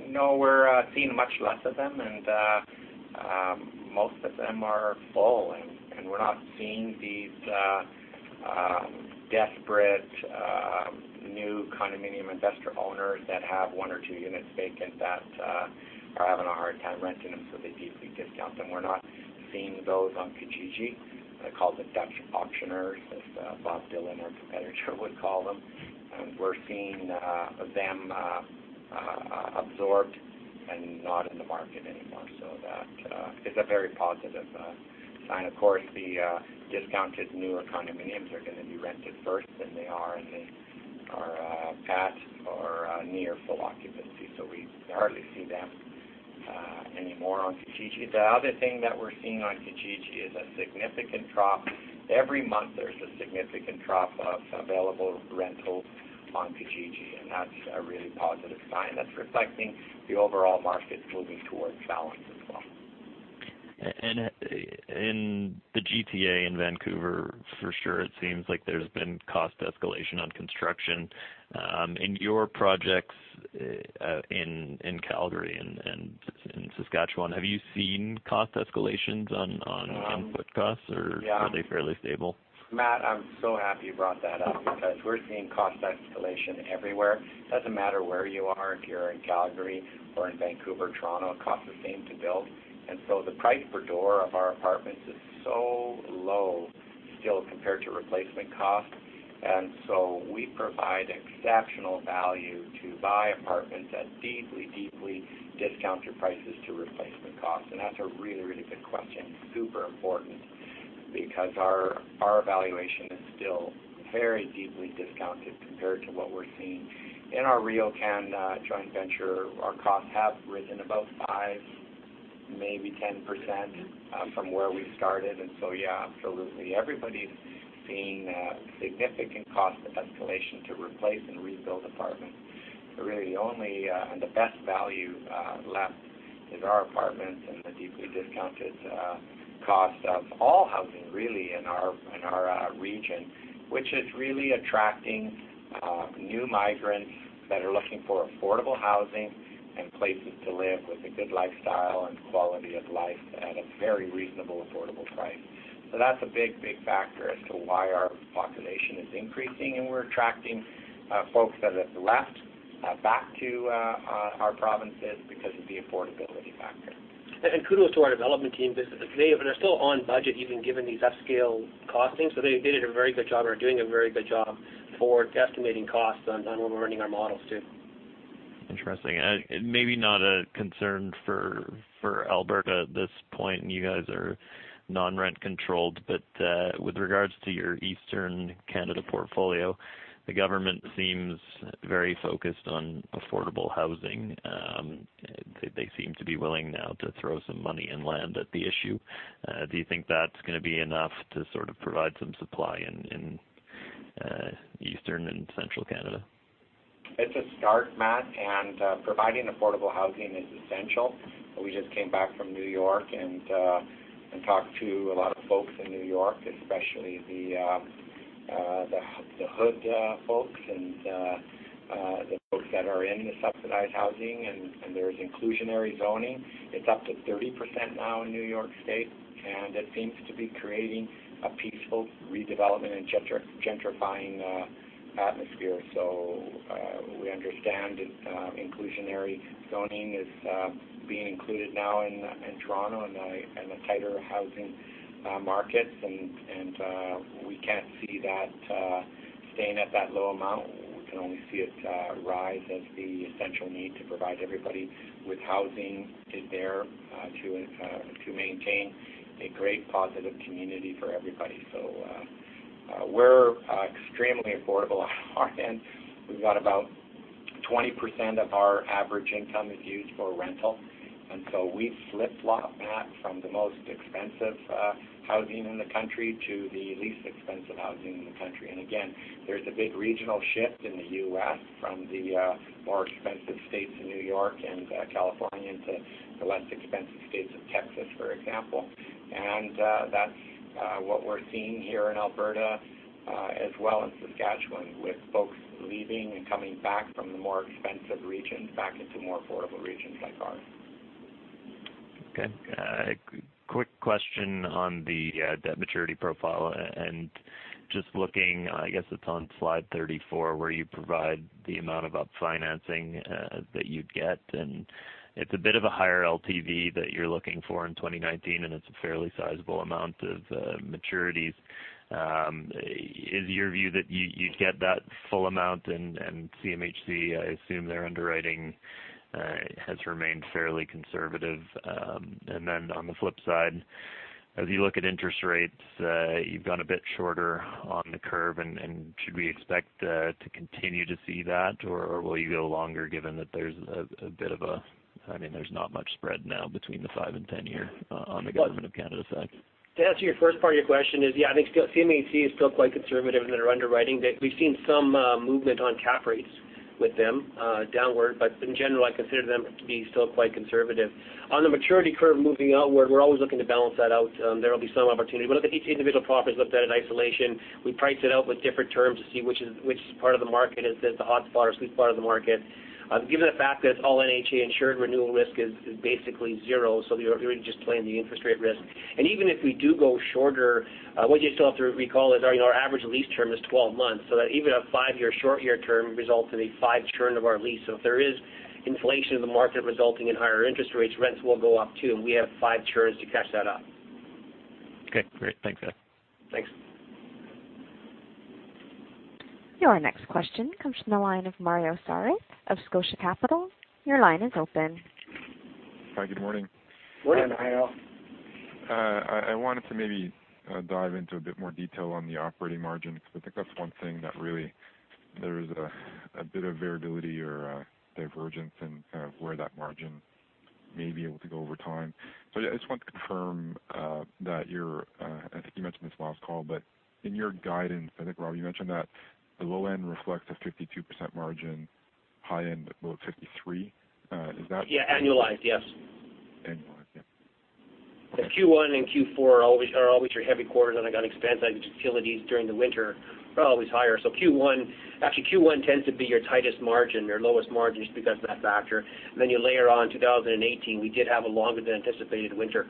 No, we're seeing much less of them. Most of them are full. We're not seeing these desperate new condominium investor owners that have one or two units vacant that are having a hard time renting them, so they deeply discount them. We're not seeing those on Kijiji. I call them Dutch auction, as Bob Dhillon, our competitor, would call them. We're seeing them absorbed and not in the market anymore. That is a very positive sign. Of course, the discounted newer condominiums are going to be rented first, then they are at or near full occupancy, so we hardly see them anymore on Kijiji. The other thing that we're seeing on Kijiji is a significant drop. Every month, there's a significant drop of available rentals on Kijiji. That's a really positive sign. That's reflecting the overall market moving towards balance as well. In the GTA, in Vancouver for sure, it seems like there's been cost escalation on construction. In your projects in Calgary and in Saskatchewan, have you seen cost escalations on input costs or- Yeah. -are they fairly stable? Matt, I'm so happy you brought that up because we're seeing cost escalation everywhere. It doesn't matter where you are. If you're in Calgary or in Vancouver, Toronto, it costs the same to build. The price per door of our apartments is so low still compared to replacement cost. We provide exceptional value to buy apartments at deeply discounted prices to replacement costs. That's a really, really good question. Super important because our valuation is still very deeply discounted compared to what we're seeing. In our RioCan joint venture, our costs have risen about 5%, maybe 10% from where we started. Yeah, absolutely. Everybody's seeing significant cost escalation to replace and rebuild apartments. Really, the only and the best value left is our apartments and the deeply discounted cost of all housing, really, in our region, which is really attracting new migrants that are looking for affordable housing and places to live with a good lifestyle and quality of life. Very reasonable, affordable price. That's a big, big factor as to why our population is increasing and we're attracting folks that have left back to our provinces because of the affordability factor. Kudos to our development team because they are still on budget even given these upscale costings. They did a very good job, or are doing a very good job forward estimating costs on what we're running our models to. Interesting. Maybe not a concern for Alberta at this point. You guys are non-rent-controlled, but with regards to your Eastern Canada portfolio, the government seems very focused on affordable housing. They seem to be willing now to throw some money and land at the issue. Do you think that's going to be enough to sort of provide some supply in Eastern and Central Canada? It's a start, Matt, providing affordable housing is essential. We just came back from N.Y. and talked to a lot of folks in N.Y., especially the hood folks and the folks that are in the subsidized housing, there's inclusionary zoning. It's up to 30% now in N.Y. State, it seems to be creating a peaceful redevelopment and gentrifying atmosphere. We understand inclusionary zoning is being included now in Toronto in the tighter housing markets, we can't see that staying at that low amount. We can only see it rise as the essential need to provide everybody with housing is there to maintain a great, positive community for everybody. We're extremely affordable on our end. We've got about 20% of our average income is used for rental. We flip-flop, Matt, from the most expensive housing in the country to the least expensive housing in the country. Again, there's a big regional shift in the U.S. from the more expensive states of N.Y. and California to the less expensive states of Texas, for example. That's what we're seeing here in Alberta as well as Saskatchewan, with folks leaving and coming back from the more expensive regions back into more affordable regions like ours. Quick question on the debt maturity profile and just looking, I guess it's on slide 34, where you provide the amount of financing that you'd get, it's a bit of a higher LTV that you're looking for in 2019, it's a fairly sizable amount of maturities. Is it your view that you'd get that full amount? CMHC, I assume their underwriting has remained fairly conservative. Then on the flip side, as you look at interest rates, you've gone a bit shorter on the curve, should we expect to continue to see that? Will you go longer given that there's not much spread now between the five and 10-year on the Government of Canada side? To answer your first part of your question is, yeah, I think CMHC is still quite conservative in their underwriting. We've seen some movement on cap rates with them downward, in general, I consider them to be still quite conservative. On the maturity curve moving outward, we're always looking to balance that out. There will be some opportunity. We look at each individual property, is looked at in isolation. We price it out with different terms to see which part of the market is the hotspot or sweet spot of the market. Given the fact that all NHA-insured renewal risk is basically zero, you're really just playing the interest rate risk. Even if we do go shorter, what you still have to recall is our average lease term is 12 months, that even a five-year short-year term results in a five turn of our lease. If there is inflation in the market resulting in higher interest rates, rents will go up too, and we have five turns to catch that up. Okay, great. Thanks, Rob. Thanks. Your next question comes from the line of Mario Saric of Scotia Capital. Your line is open. Hi, good morning. Morning, Mario. I wanted to maybe dive into a bit more detail on the operating margins because I think that's one thing that really there is a bit of variability or divergence in kind of where that margin may be able to go over time. Yeah, I just wanted to confirm that your, I think you mentioned this last call, but in your guidance, I think, Rob, you mentioned that the low end reflects a 52% margin, high end about 53%. Is that? Yeah, annualized. Yes. Annualized. Yeah. Q1 and Q4 are always your heavy quarters on account of expense items. Utilities during the winter are always higher. Actually, Q1 tends to be your tightest margin or lowest margin just because of that factor. Then you layer on 2018, we did have a longer than anticipated winter,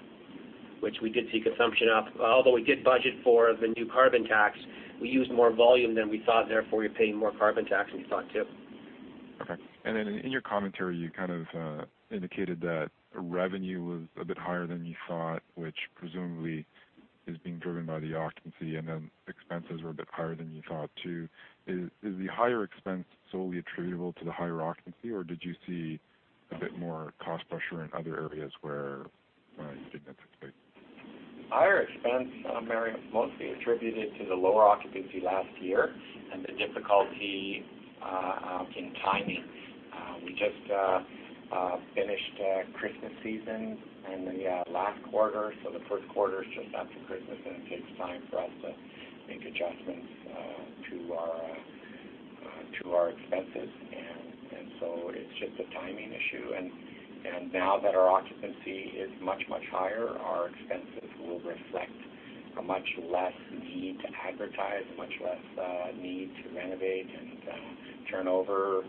which we did see consumption up. Although we did budget for the new carbon tax, we used more volume than we thought, therefore, we're paying more carbon tax than we thought, too. Okay. Then in your commentary, you kind of indicated that revenue was a bit higher than you thought, which presumably is being driven by the occupancy, and then expenses were a bit higher than you thought too. Is the higher expense solely attributable to the higher occupancy, or did you see a bit more cost pressure in other areas where you didn't anticipate? Higher expense, Mario, mostly attributed to the lower occupancy last year and the difficulty in timing. We just finished Christmas season in the last quarter, so the first quarter is just after Christmas, and it takes time for us to make adjustments to our expenses. So it's just a timing issue. Now that our occupancy is much, much higher, our expenses will reflect a much less need to advertise, a much less need to renovate and turn over.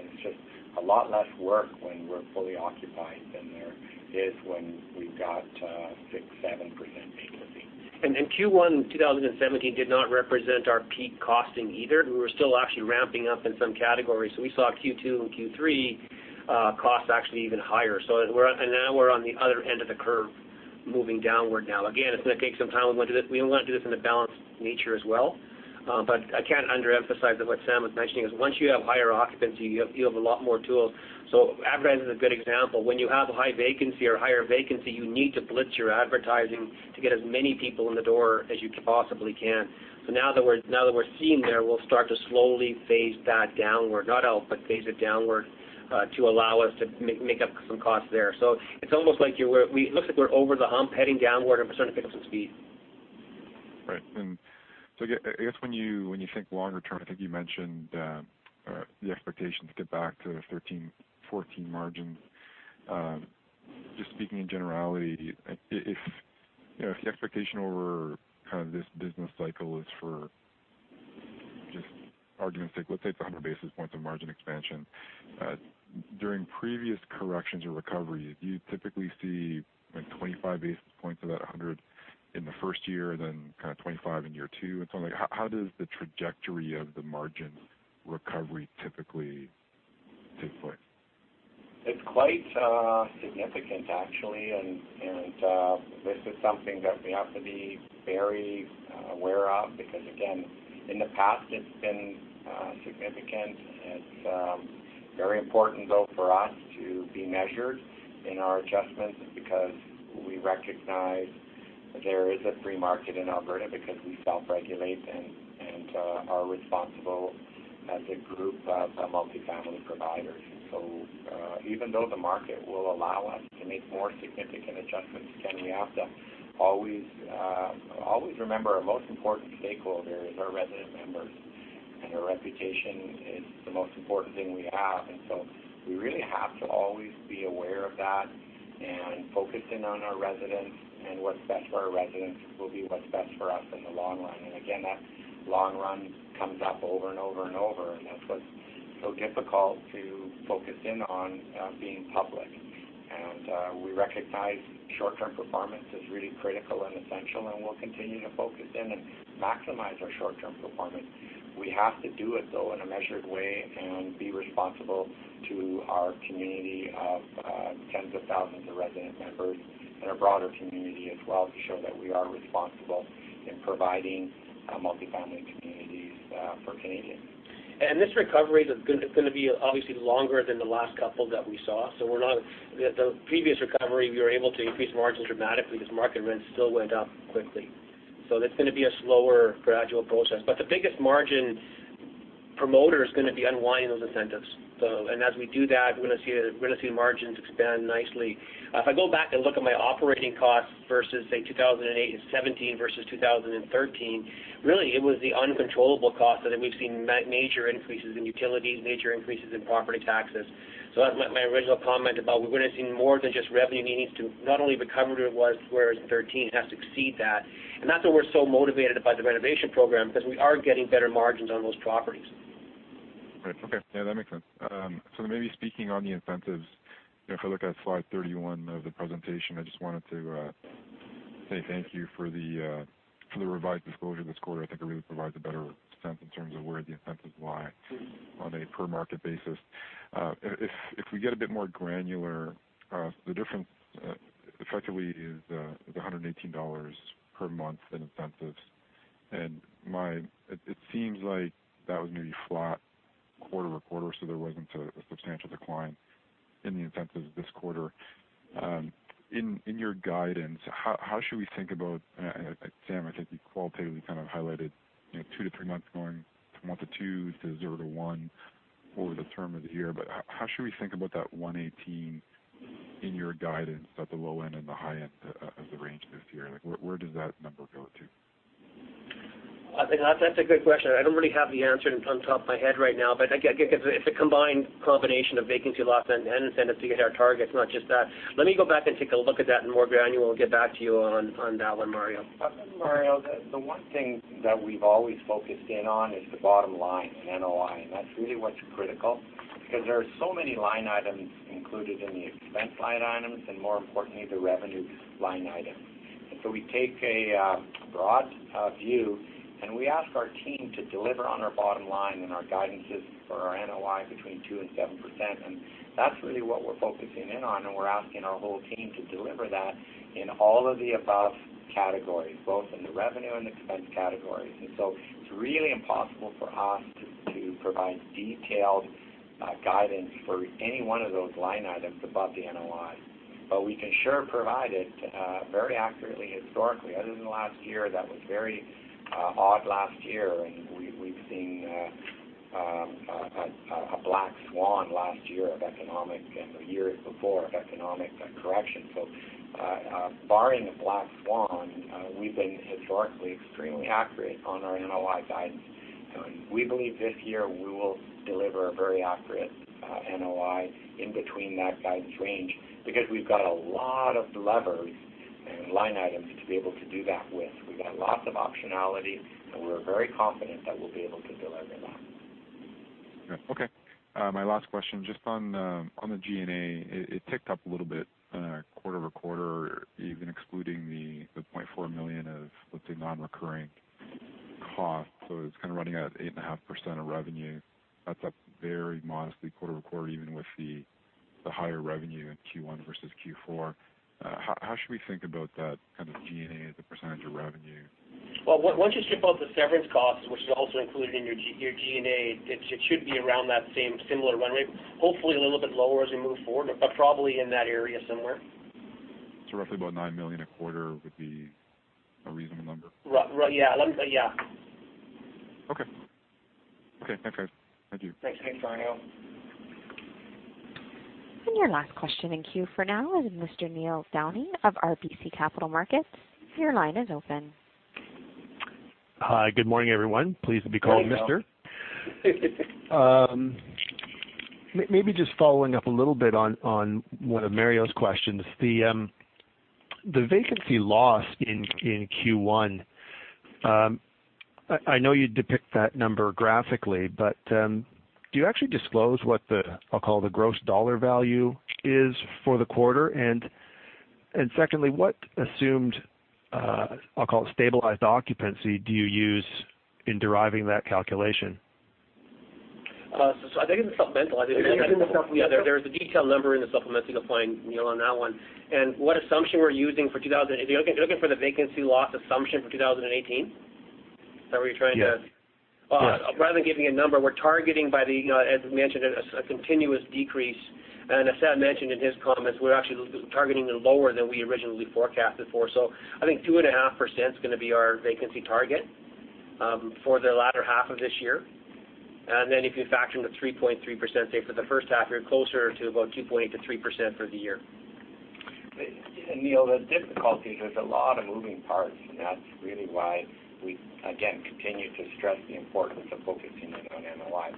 It's just a lot less work when we're fully occupied than there is when we've got 6%-7% vacancy. Q1 2017 did not represent our peak costing either. We were still actually ramping up in some categories. We saw Q2 and Q3 costs actually even higher. Now we're on the other end of the curve moving downward now. Again, it's going to take some time. We want to do this in a balanced nature as well. I can't under-emphasize that what Sam was mentioning is once you have higher occupancy, you have a lot more tools. Advertising is a good example. When you have high vacancy or higher vacancy, you need to blitz your advertising to get as many people in the door as you possibly can. Now that we're seeing there, we'll start to slowly phase that downward. Not out, but phase it downward to allow us to make up some costs there. It's almost like it looks like we're over the hump heading downward, and we're starting to pick up some speed. Right. When you think longer term, I think you mentioned the expectation to get back to the 13%-14% margin. Just speaking in generality, if the expectation over this business cycle is for just argument's sake, let's say it's 100 basis points of margin expansion. During previous corrections or recoveries, do you typically see 25 basis points of that 100 in the first year, then kind of 25 in year two and so on? How does the trajectory of the margins recovery typically take place? It's quite significant, actually. This is something that we have to be very aware of because, again, in the past it's been significant. It's very important, though, for us to be measured in our adjustments because we recognize there is a free market in Alberta because we self-regulate and are responsible as a group of multifamily providers. Even though the market will allow us to make more significant adjustments, again, we have to always remember our most important stakeholder is our resident members, and our reputation is the most important thing we have. We really have to always be aware of that and focusing on our residents, and what's best for our residents will be what's best for us in the long run. Again, that long run comes up over and over and over, and that's what's so difficult to focus in on being public. We recognize short-term performance is really critical and essential, and we will continue to focus in and maximize our short-term performance. We have to do it, though, in a measured way and be responsible to our community of tens of thousands of resident members and our broader community as well to show that we are responsible in providing multifamily communities for Canadians. This recovery is going to be obviously longer than the last couple that we saw. The previous recovery, we were able to increase margins dramatically because market rents still went up quickly. It's going to be a slower gradual process. The biggest margin promoter is going to be unwinding those incentives. As we do that, we're going to see margins expand nicely. If I go back and look at my operating costs versus, say, 2018 versus 2013, really, it was the uncontrollable costs that we've seen major increases in utilities, major increases in property taxes. That's my original comment about we're going to see more than just revenue needs to not only recover to where it was in 2013. It has to exceed that. That's why we're so motivated by the renovation program because we are getting better margins on those properties. Right. Okay. Yeah, that makes sense. Maybe speaking on the incentives, if I look at slide 31 of the presentation, I just wanted to say thank you for the revised disclosure this quarter. I think it really provides a better sense in terms of where the incentives lie on a per-market basis. If we get a bit more granular, the difference effectively is 118 dollars per month in incentives. It seems like that was maybe flat quarter-over-quarter, so there wasn't a substantial decline in the incentives this quarter. In your guidance, how should we think about, Sam, I think you qualitatively kind of highlighted two to three months going from one to two to zero to one over the term of the year. How should we think about that 118 in your guidance at the low end and the high end of the range this year? Where does that number go to? I think that's a good question. I don't really have the answer on top of my head right now. I think it's a combined combination of vacancy loss and incentive to get our targets, not just that. Let me go back and take a look at that in more granular. We'll get back to you on that one, Mario. Mario, the one thing that we've always focused in on is the bottom line, NOI, and that's really what's critical because there are so many line items included in the expense line items, and more importantly, the revenue line item. We take a broad view, and we ask our team to deliver on our bottom line, and our guidance is for our NOI between 2% and 7%. That's really what we're focusing in on, and we're asking our whole team to deliver that in all of the above categories, both in the revenue and expense categories. It's really impossible for us to provide detailed guidance for any one of those line items above the NOI. We can sure provide it very accurately historically, other than last year. That was very odd last year, and we've seen a black swan last year of economic and the year before economic correction. Barring a black swan, we've been historically extremely accurate on our NOI guidance. We believe this year we will deliver a very accurate NOI in between that guidance range because we've got a lot of levers and line items to be able to do that with. We've got lots of optionality, and we're very confident that we'll be able to deliver that. Okay. My last question, just on the G&A, it ticked up a little bit quarter-over-quarter, even excluding the 0.4 million of, let's say, non-recurring costs. It's kind of running at 8.5% of revenue. That's up very modestly quarter-over-quarter, even with the higher revenue in Q1 versus Q4. How should we think about that G&A as a percentage of revenue? Well, once you strip out the severance costs, which is also included in your G&A, it should be around that same similar run rate, hopefully a little bit lower as we move forward, but probably in that area somewhere. Roughly about 9 million a quarter would be a reasonable number. Yeah. Okay. Thanks, guys. Thank you. Thanks. Thanks, Mario. Your last question in queue for now is Mr. Neil Downey of RBC Capital Markets. Your line is open. Hi, good morning, everyone. Pleased to be called mister. Just following up a little bit on one of Mario's questions. The vacancy loss in Q1, I know you depict that number graphically, but do you actually disclose what the, I'll call the gross CAD value is for the quarter? Secondly, what assumed, I'll call it stabilized occupancy, do you use in deriving that calculation? I think it's in the supplemental. I think there's a detailed number in the supplemental, fine, Neil, on that one. Are you looking for the vacancy loss assumption for 2018? Is that what you're trying to Yes. Rather than giving a number, we're targeting, as we mentioned, a continuous decrease. As Sam mentioned in his comments, we're actually targeting lower than we originally forecasted for. I think 2.5% is going to be our vacancy target for the latter half of this year. If you factor in the 3.3%, say for the first half year, closer to about 2.8%-3% for the year. Neil, the difficulty is there's a lot of moving parts, and that's really why we, again, continue to stress the importance of focusing in on NOI.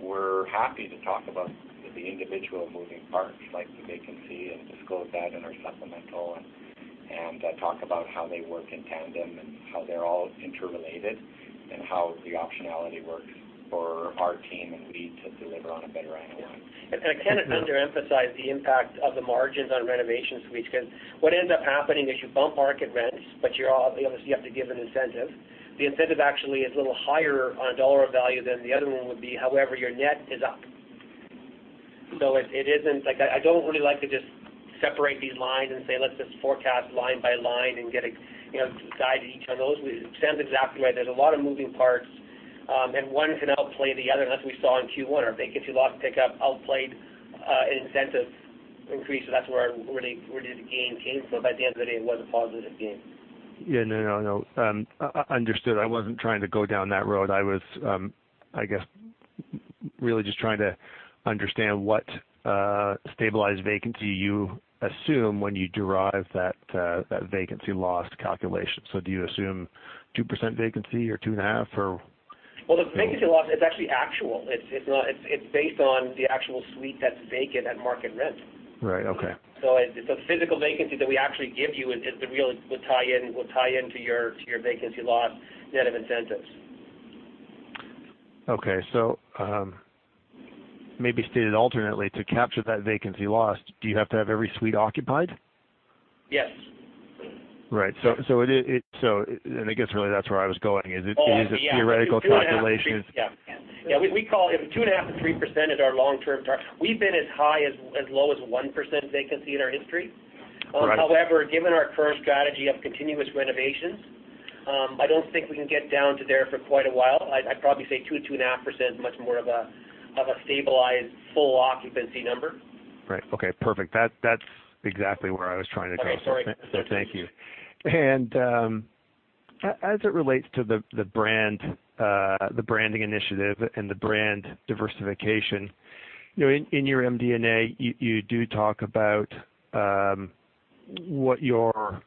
We're happy to talk about the individual moving parts, like the vacancy, and disclose that in our supplemental, and talk about how they work in tandem, and how they're all interrelated, and how the optionality works for our team and we to deliver on a better NOI. I can't underemphasize the impact of the margins on renovation suites, because what ends up happening is you bump market rents, obviously, you have to give an incentive. The incentive actually is a little higher on a dollar value than the other one would be. However, your net is up. I don't really like to just separate these lines and say, let's just forecast line by line and get a guide to each of those. Sam's exactly right. There's a lot of moving parts, one can outplay the other, and that's what we saw in Q1. Our vacancy loss pick up outplayed an incentive increase, that's where the gain came from. At the end of the day, it was a positive gain. Yeah. No, understood. I wasn't trying to go down that road. I was, I guess, really just trying to understand what stabilized vacancy you assume when you derive that vacancy loss calculation. Do you assume 2% vacancy or 2.5% or- Well, the vacancy loss is actually actual. It's based on the actual suite that's vacant at market rent. Right. Okay. It's a physical vacancy that we actually give you. It will tie into your vacancy loss net of incentives. Okay. Maybe stated alternately, to capture that vacancy loss, do you have to have every suite occupied? Yes. Right. I guess really that's where I was going. Is it theoretical calculations? Yeah. We call it 2.5%-3% is our long-term target. We've been as low as 1% vacancy in our history. Right. Given our current strategy of continuous renovations, I don't think we can get down to there for quite a while. I'd probably say 2%-2.5% is much more of a stabilized full occupancy number. Right. Okay, perfect. That's exactly where I was trying to go. Okay. Sorry. Thank you. As it relates to the branding initiative and the brand diversification, in your MD&A, you do talk about what your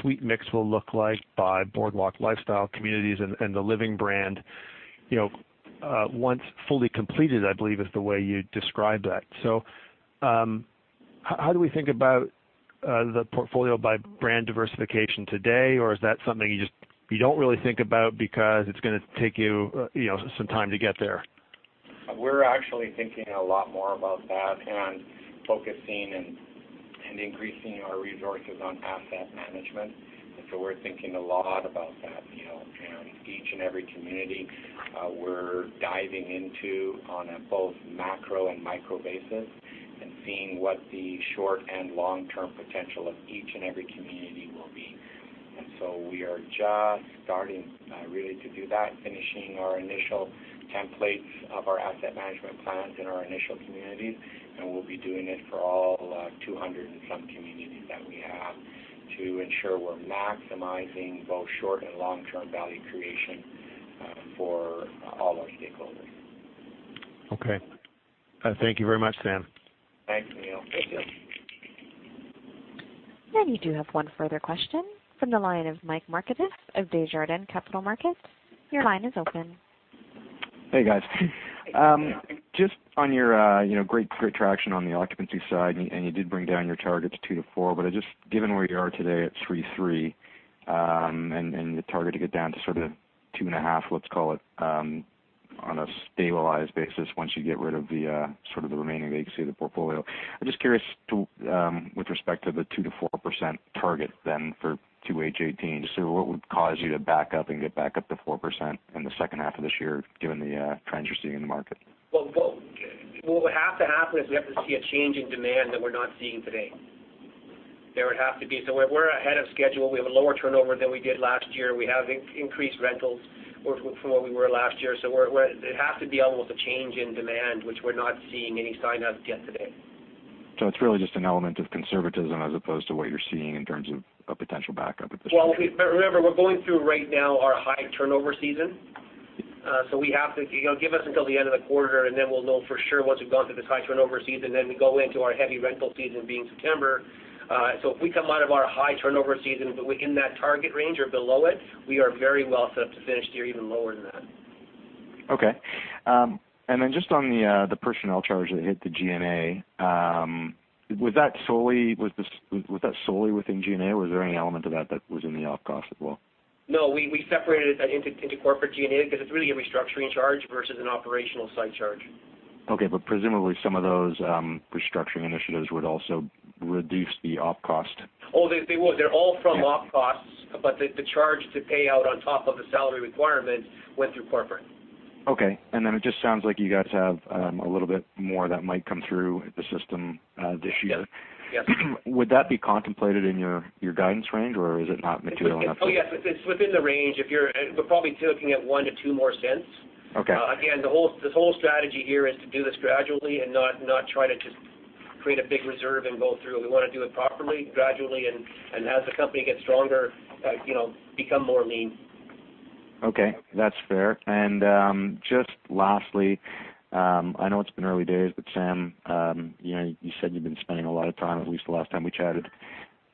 suite mix will look like by Boardwalk Lifestyle Communities and the Living brand once fully completed, I believe is the way you described that. How do we think about the portfolio by brand diversification today? Or is that something you don't really think about because it's going to take you some time to get there? We're actually thinking a lot more about that and focusing and increasing our resources on asset management. We're thinking a lot about that, Neil. Each and every community, we're diving into on a both macro and micro basis and seeing what the short- and long-term potential of each and every community will be. We are just starting really to do that, finishing our initial templates of our asset management plans in our initial communities, and we'll be doing it for all 200 and some communities that we have to ensure we're maximizing both short- and long-term value creation for all our stakeholders. Okay. Thank you very much, Sam. Thanks, Neil. Thank you. You do have one further question from the line of Michael Markidis of Desjardins Capital Markets. Your line is open. Hey, guys. Just on your great traction on the occupancy side, and you did bring down your target to 2%-4%, but just given where you are today at 3.3% and the target to get down to sort of 2.5%, let's call it, on a stabilized basis once you get rid of the remaining vacancy of the portfolio. I'm just curious with respect to the 2%-4% target then for 2H 2018, just what would cause you to back up and get back up to 4% in the second half of this year, given the trends you're seeing in the market? Well, what would have to happen is we have to see a change in demand that we're not seeing today. There would have to be. We're ahead of schedule. We have a lower turnover than we did last year. We have increased rentals from where we were last year. It has to be almost a change in demand, which we're not seeing any sign of just yet today. It's really just an element of conservatism as opposed to what you're seeing in terms of a potential backup at this point in time. Well, remember, we're going through right now our high turnover season. Give us until the end of the quarter, and then we'll know for sure once we've gone through this high turnover season, then we go into our heavy rental season being September. If we come out of our high turnover season within that target range or below it, we are very well set up to finish the year even lower than that. Okay. Then just on the personnel charge that hit the G&A, was that solely within G&A, or was there any element of that that was in the op cost as well? No, we separated it into corporate G&A because it's really a restructuring charge versus an operational site charge. Okay, presumably some of those restructuring initiatives would also reduce the op cost. Oh, they would. They're all from op costs, but the charge to pay out on top of the salary requirement went through corporate. Then it just sounds like you guys have a little bit more that might come through the system this year. Yes. Would that be contemplated in your guidance range, or is it not material enough to Oh, yes. It's within the range. We're probably looking at 0.01-0.02 more. Okay. Again, this whole strategy here is to do this gradually and not try to just create a big reserve and go through. We want to do it properly, gradually, and as the company gets stronger, become leaner. Okay, that's fair. Just lastly, I know it's been early days, but Sam, you said you've been spending a lot of time, at least the last time we chatted,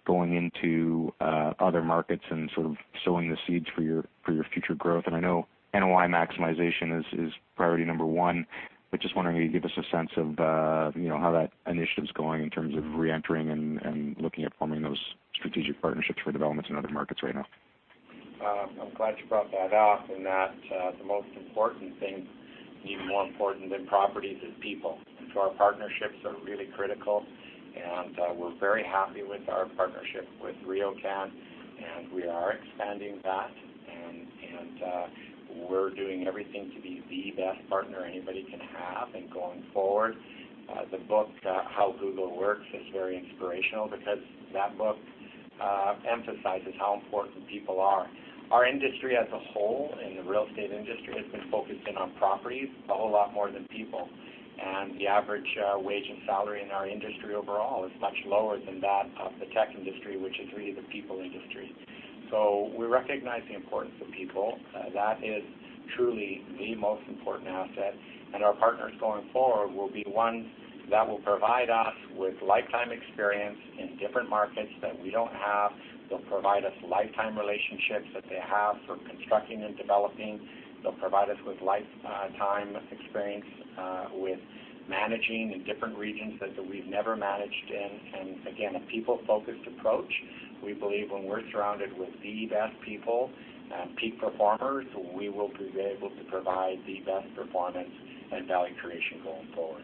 going into other markets and sort of sowing the seeds for your future growth. I know NOI maximization is priority number 1, but just wondering if you could give us a sense of how that initiative's going in terms of reentering and looking at forming those strategic partnerships for developments in other markets right now. I'm glad you brought that up, in that the most important thing, even more important than properties, is people. Our partnerships are really critical, and we're very happy with our partnership with RioCan, and we are expanding that, and we're doing everything to be the best partner anybody can have. Going forward, the book, "How Google Works" is very inspirational because that book emphasizes how important people are. Our industry as a whole, and the real estate industry, has been focusing on properties a whole lot more than people. The average wage and salary in our industry overall is much lower than that of the tech industry, which is really the people industry. We recognize the importance of people. That is truly the most important asset. Our partners going forward will be ones that will provide us with lifetime experience in different markets that we don't have. They'll provide us lifetime relationships that they have for constructing and developing. They'll provide us with lifetime experience with managing in different regions that we've never managed in. Again, a people-focused approach. We believe when we're surrounded with the best people, peak performers, we will be able to provide the best performance and value creation going forward.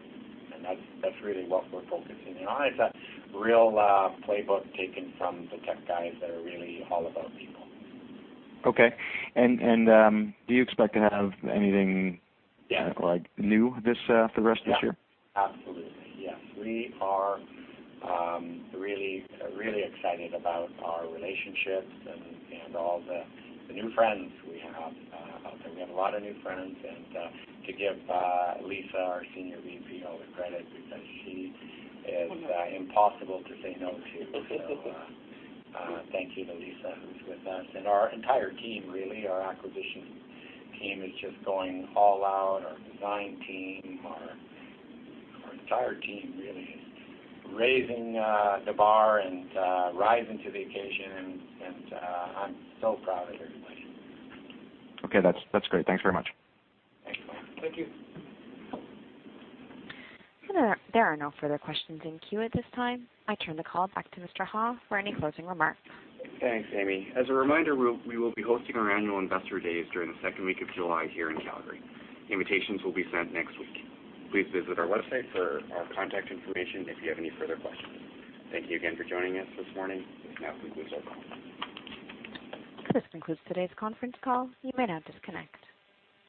That's really what we're focusing in on. It's a real playbook taken from the tech guys that are really all about people. Okay. Do you expect to have anything? Yeah new for the rest of this year? Absolutely, yes. We are really excited about our relationships and all the new friends we have. We have a lot of new friends, and to give Lisa, our Senior VP, all the credit, because she is impossible to say no to. Thank you to Lisa, who's with us, and our entire team, really. Our acquisition team is just going all out. Our design team, our entire team really is raising the bar and rising to the occasion, and I'm so proud of everybody. Okay, that's great. Thanks very much. Thank you. Thank you. There are no further questions in queue at this time. I turn the call back to Mr. Ha for any closing remarks. Thanks, Amy. As a reminder, we will be hosting our annual Investor Days during the second week of July here in Calgary. Invitations will be sent next week. Please visit our website for our contact information if you have any further questions. Thank you again for joining us this morning. This now concludes our call. This concludes today's conference call. You may now disconnect.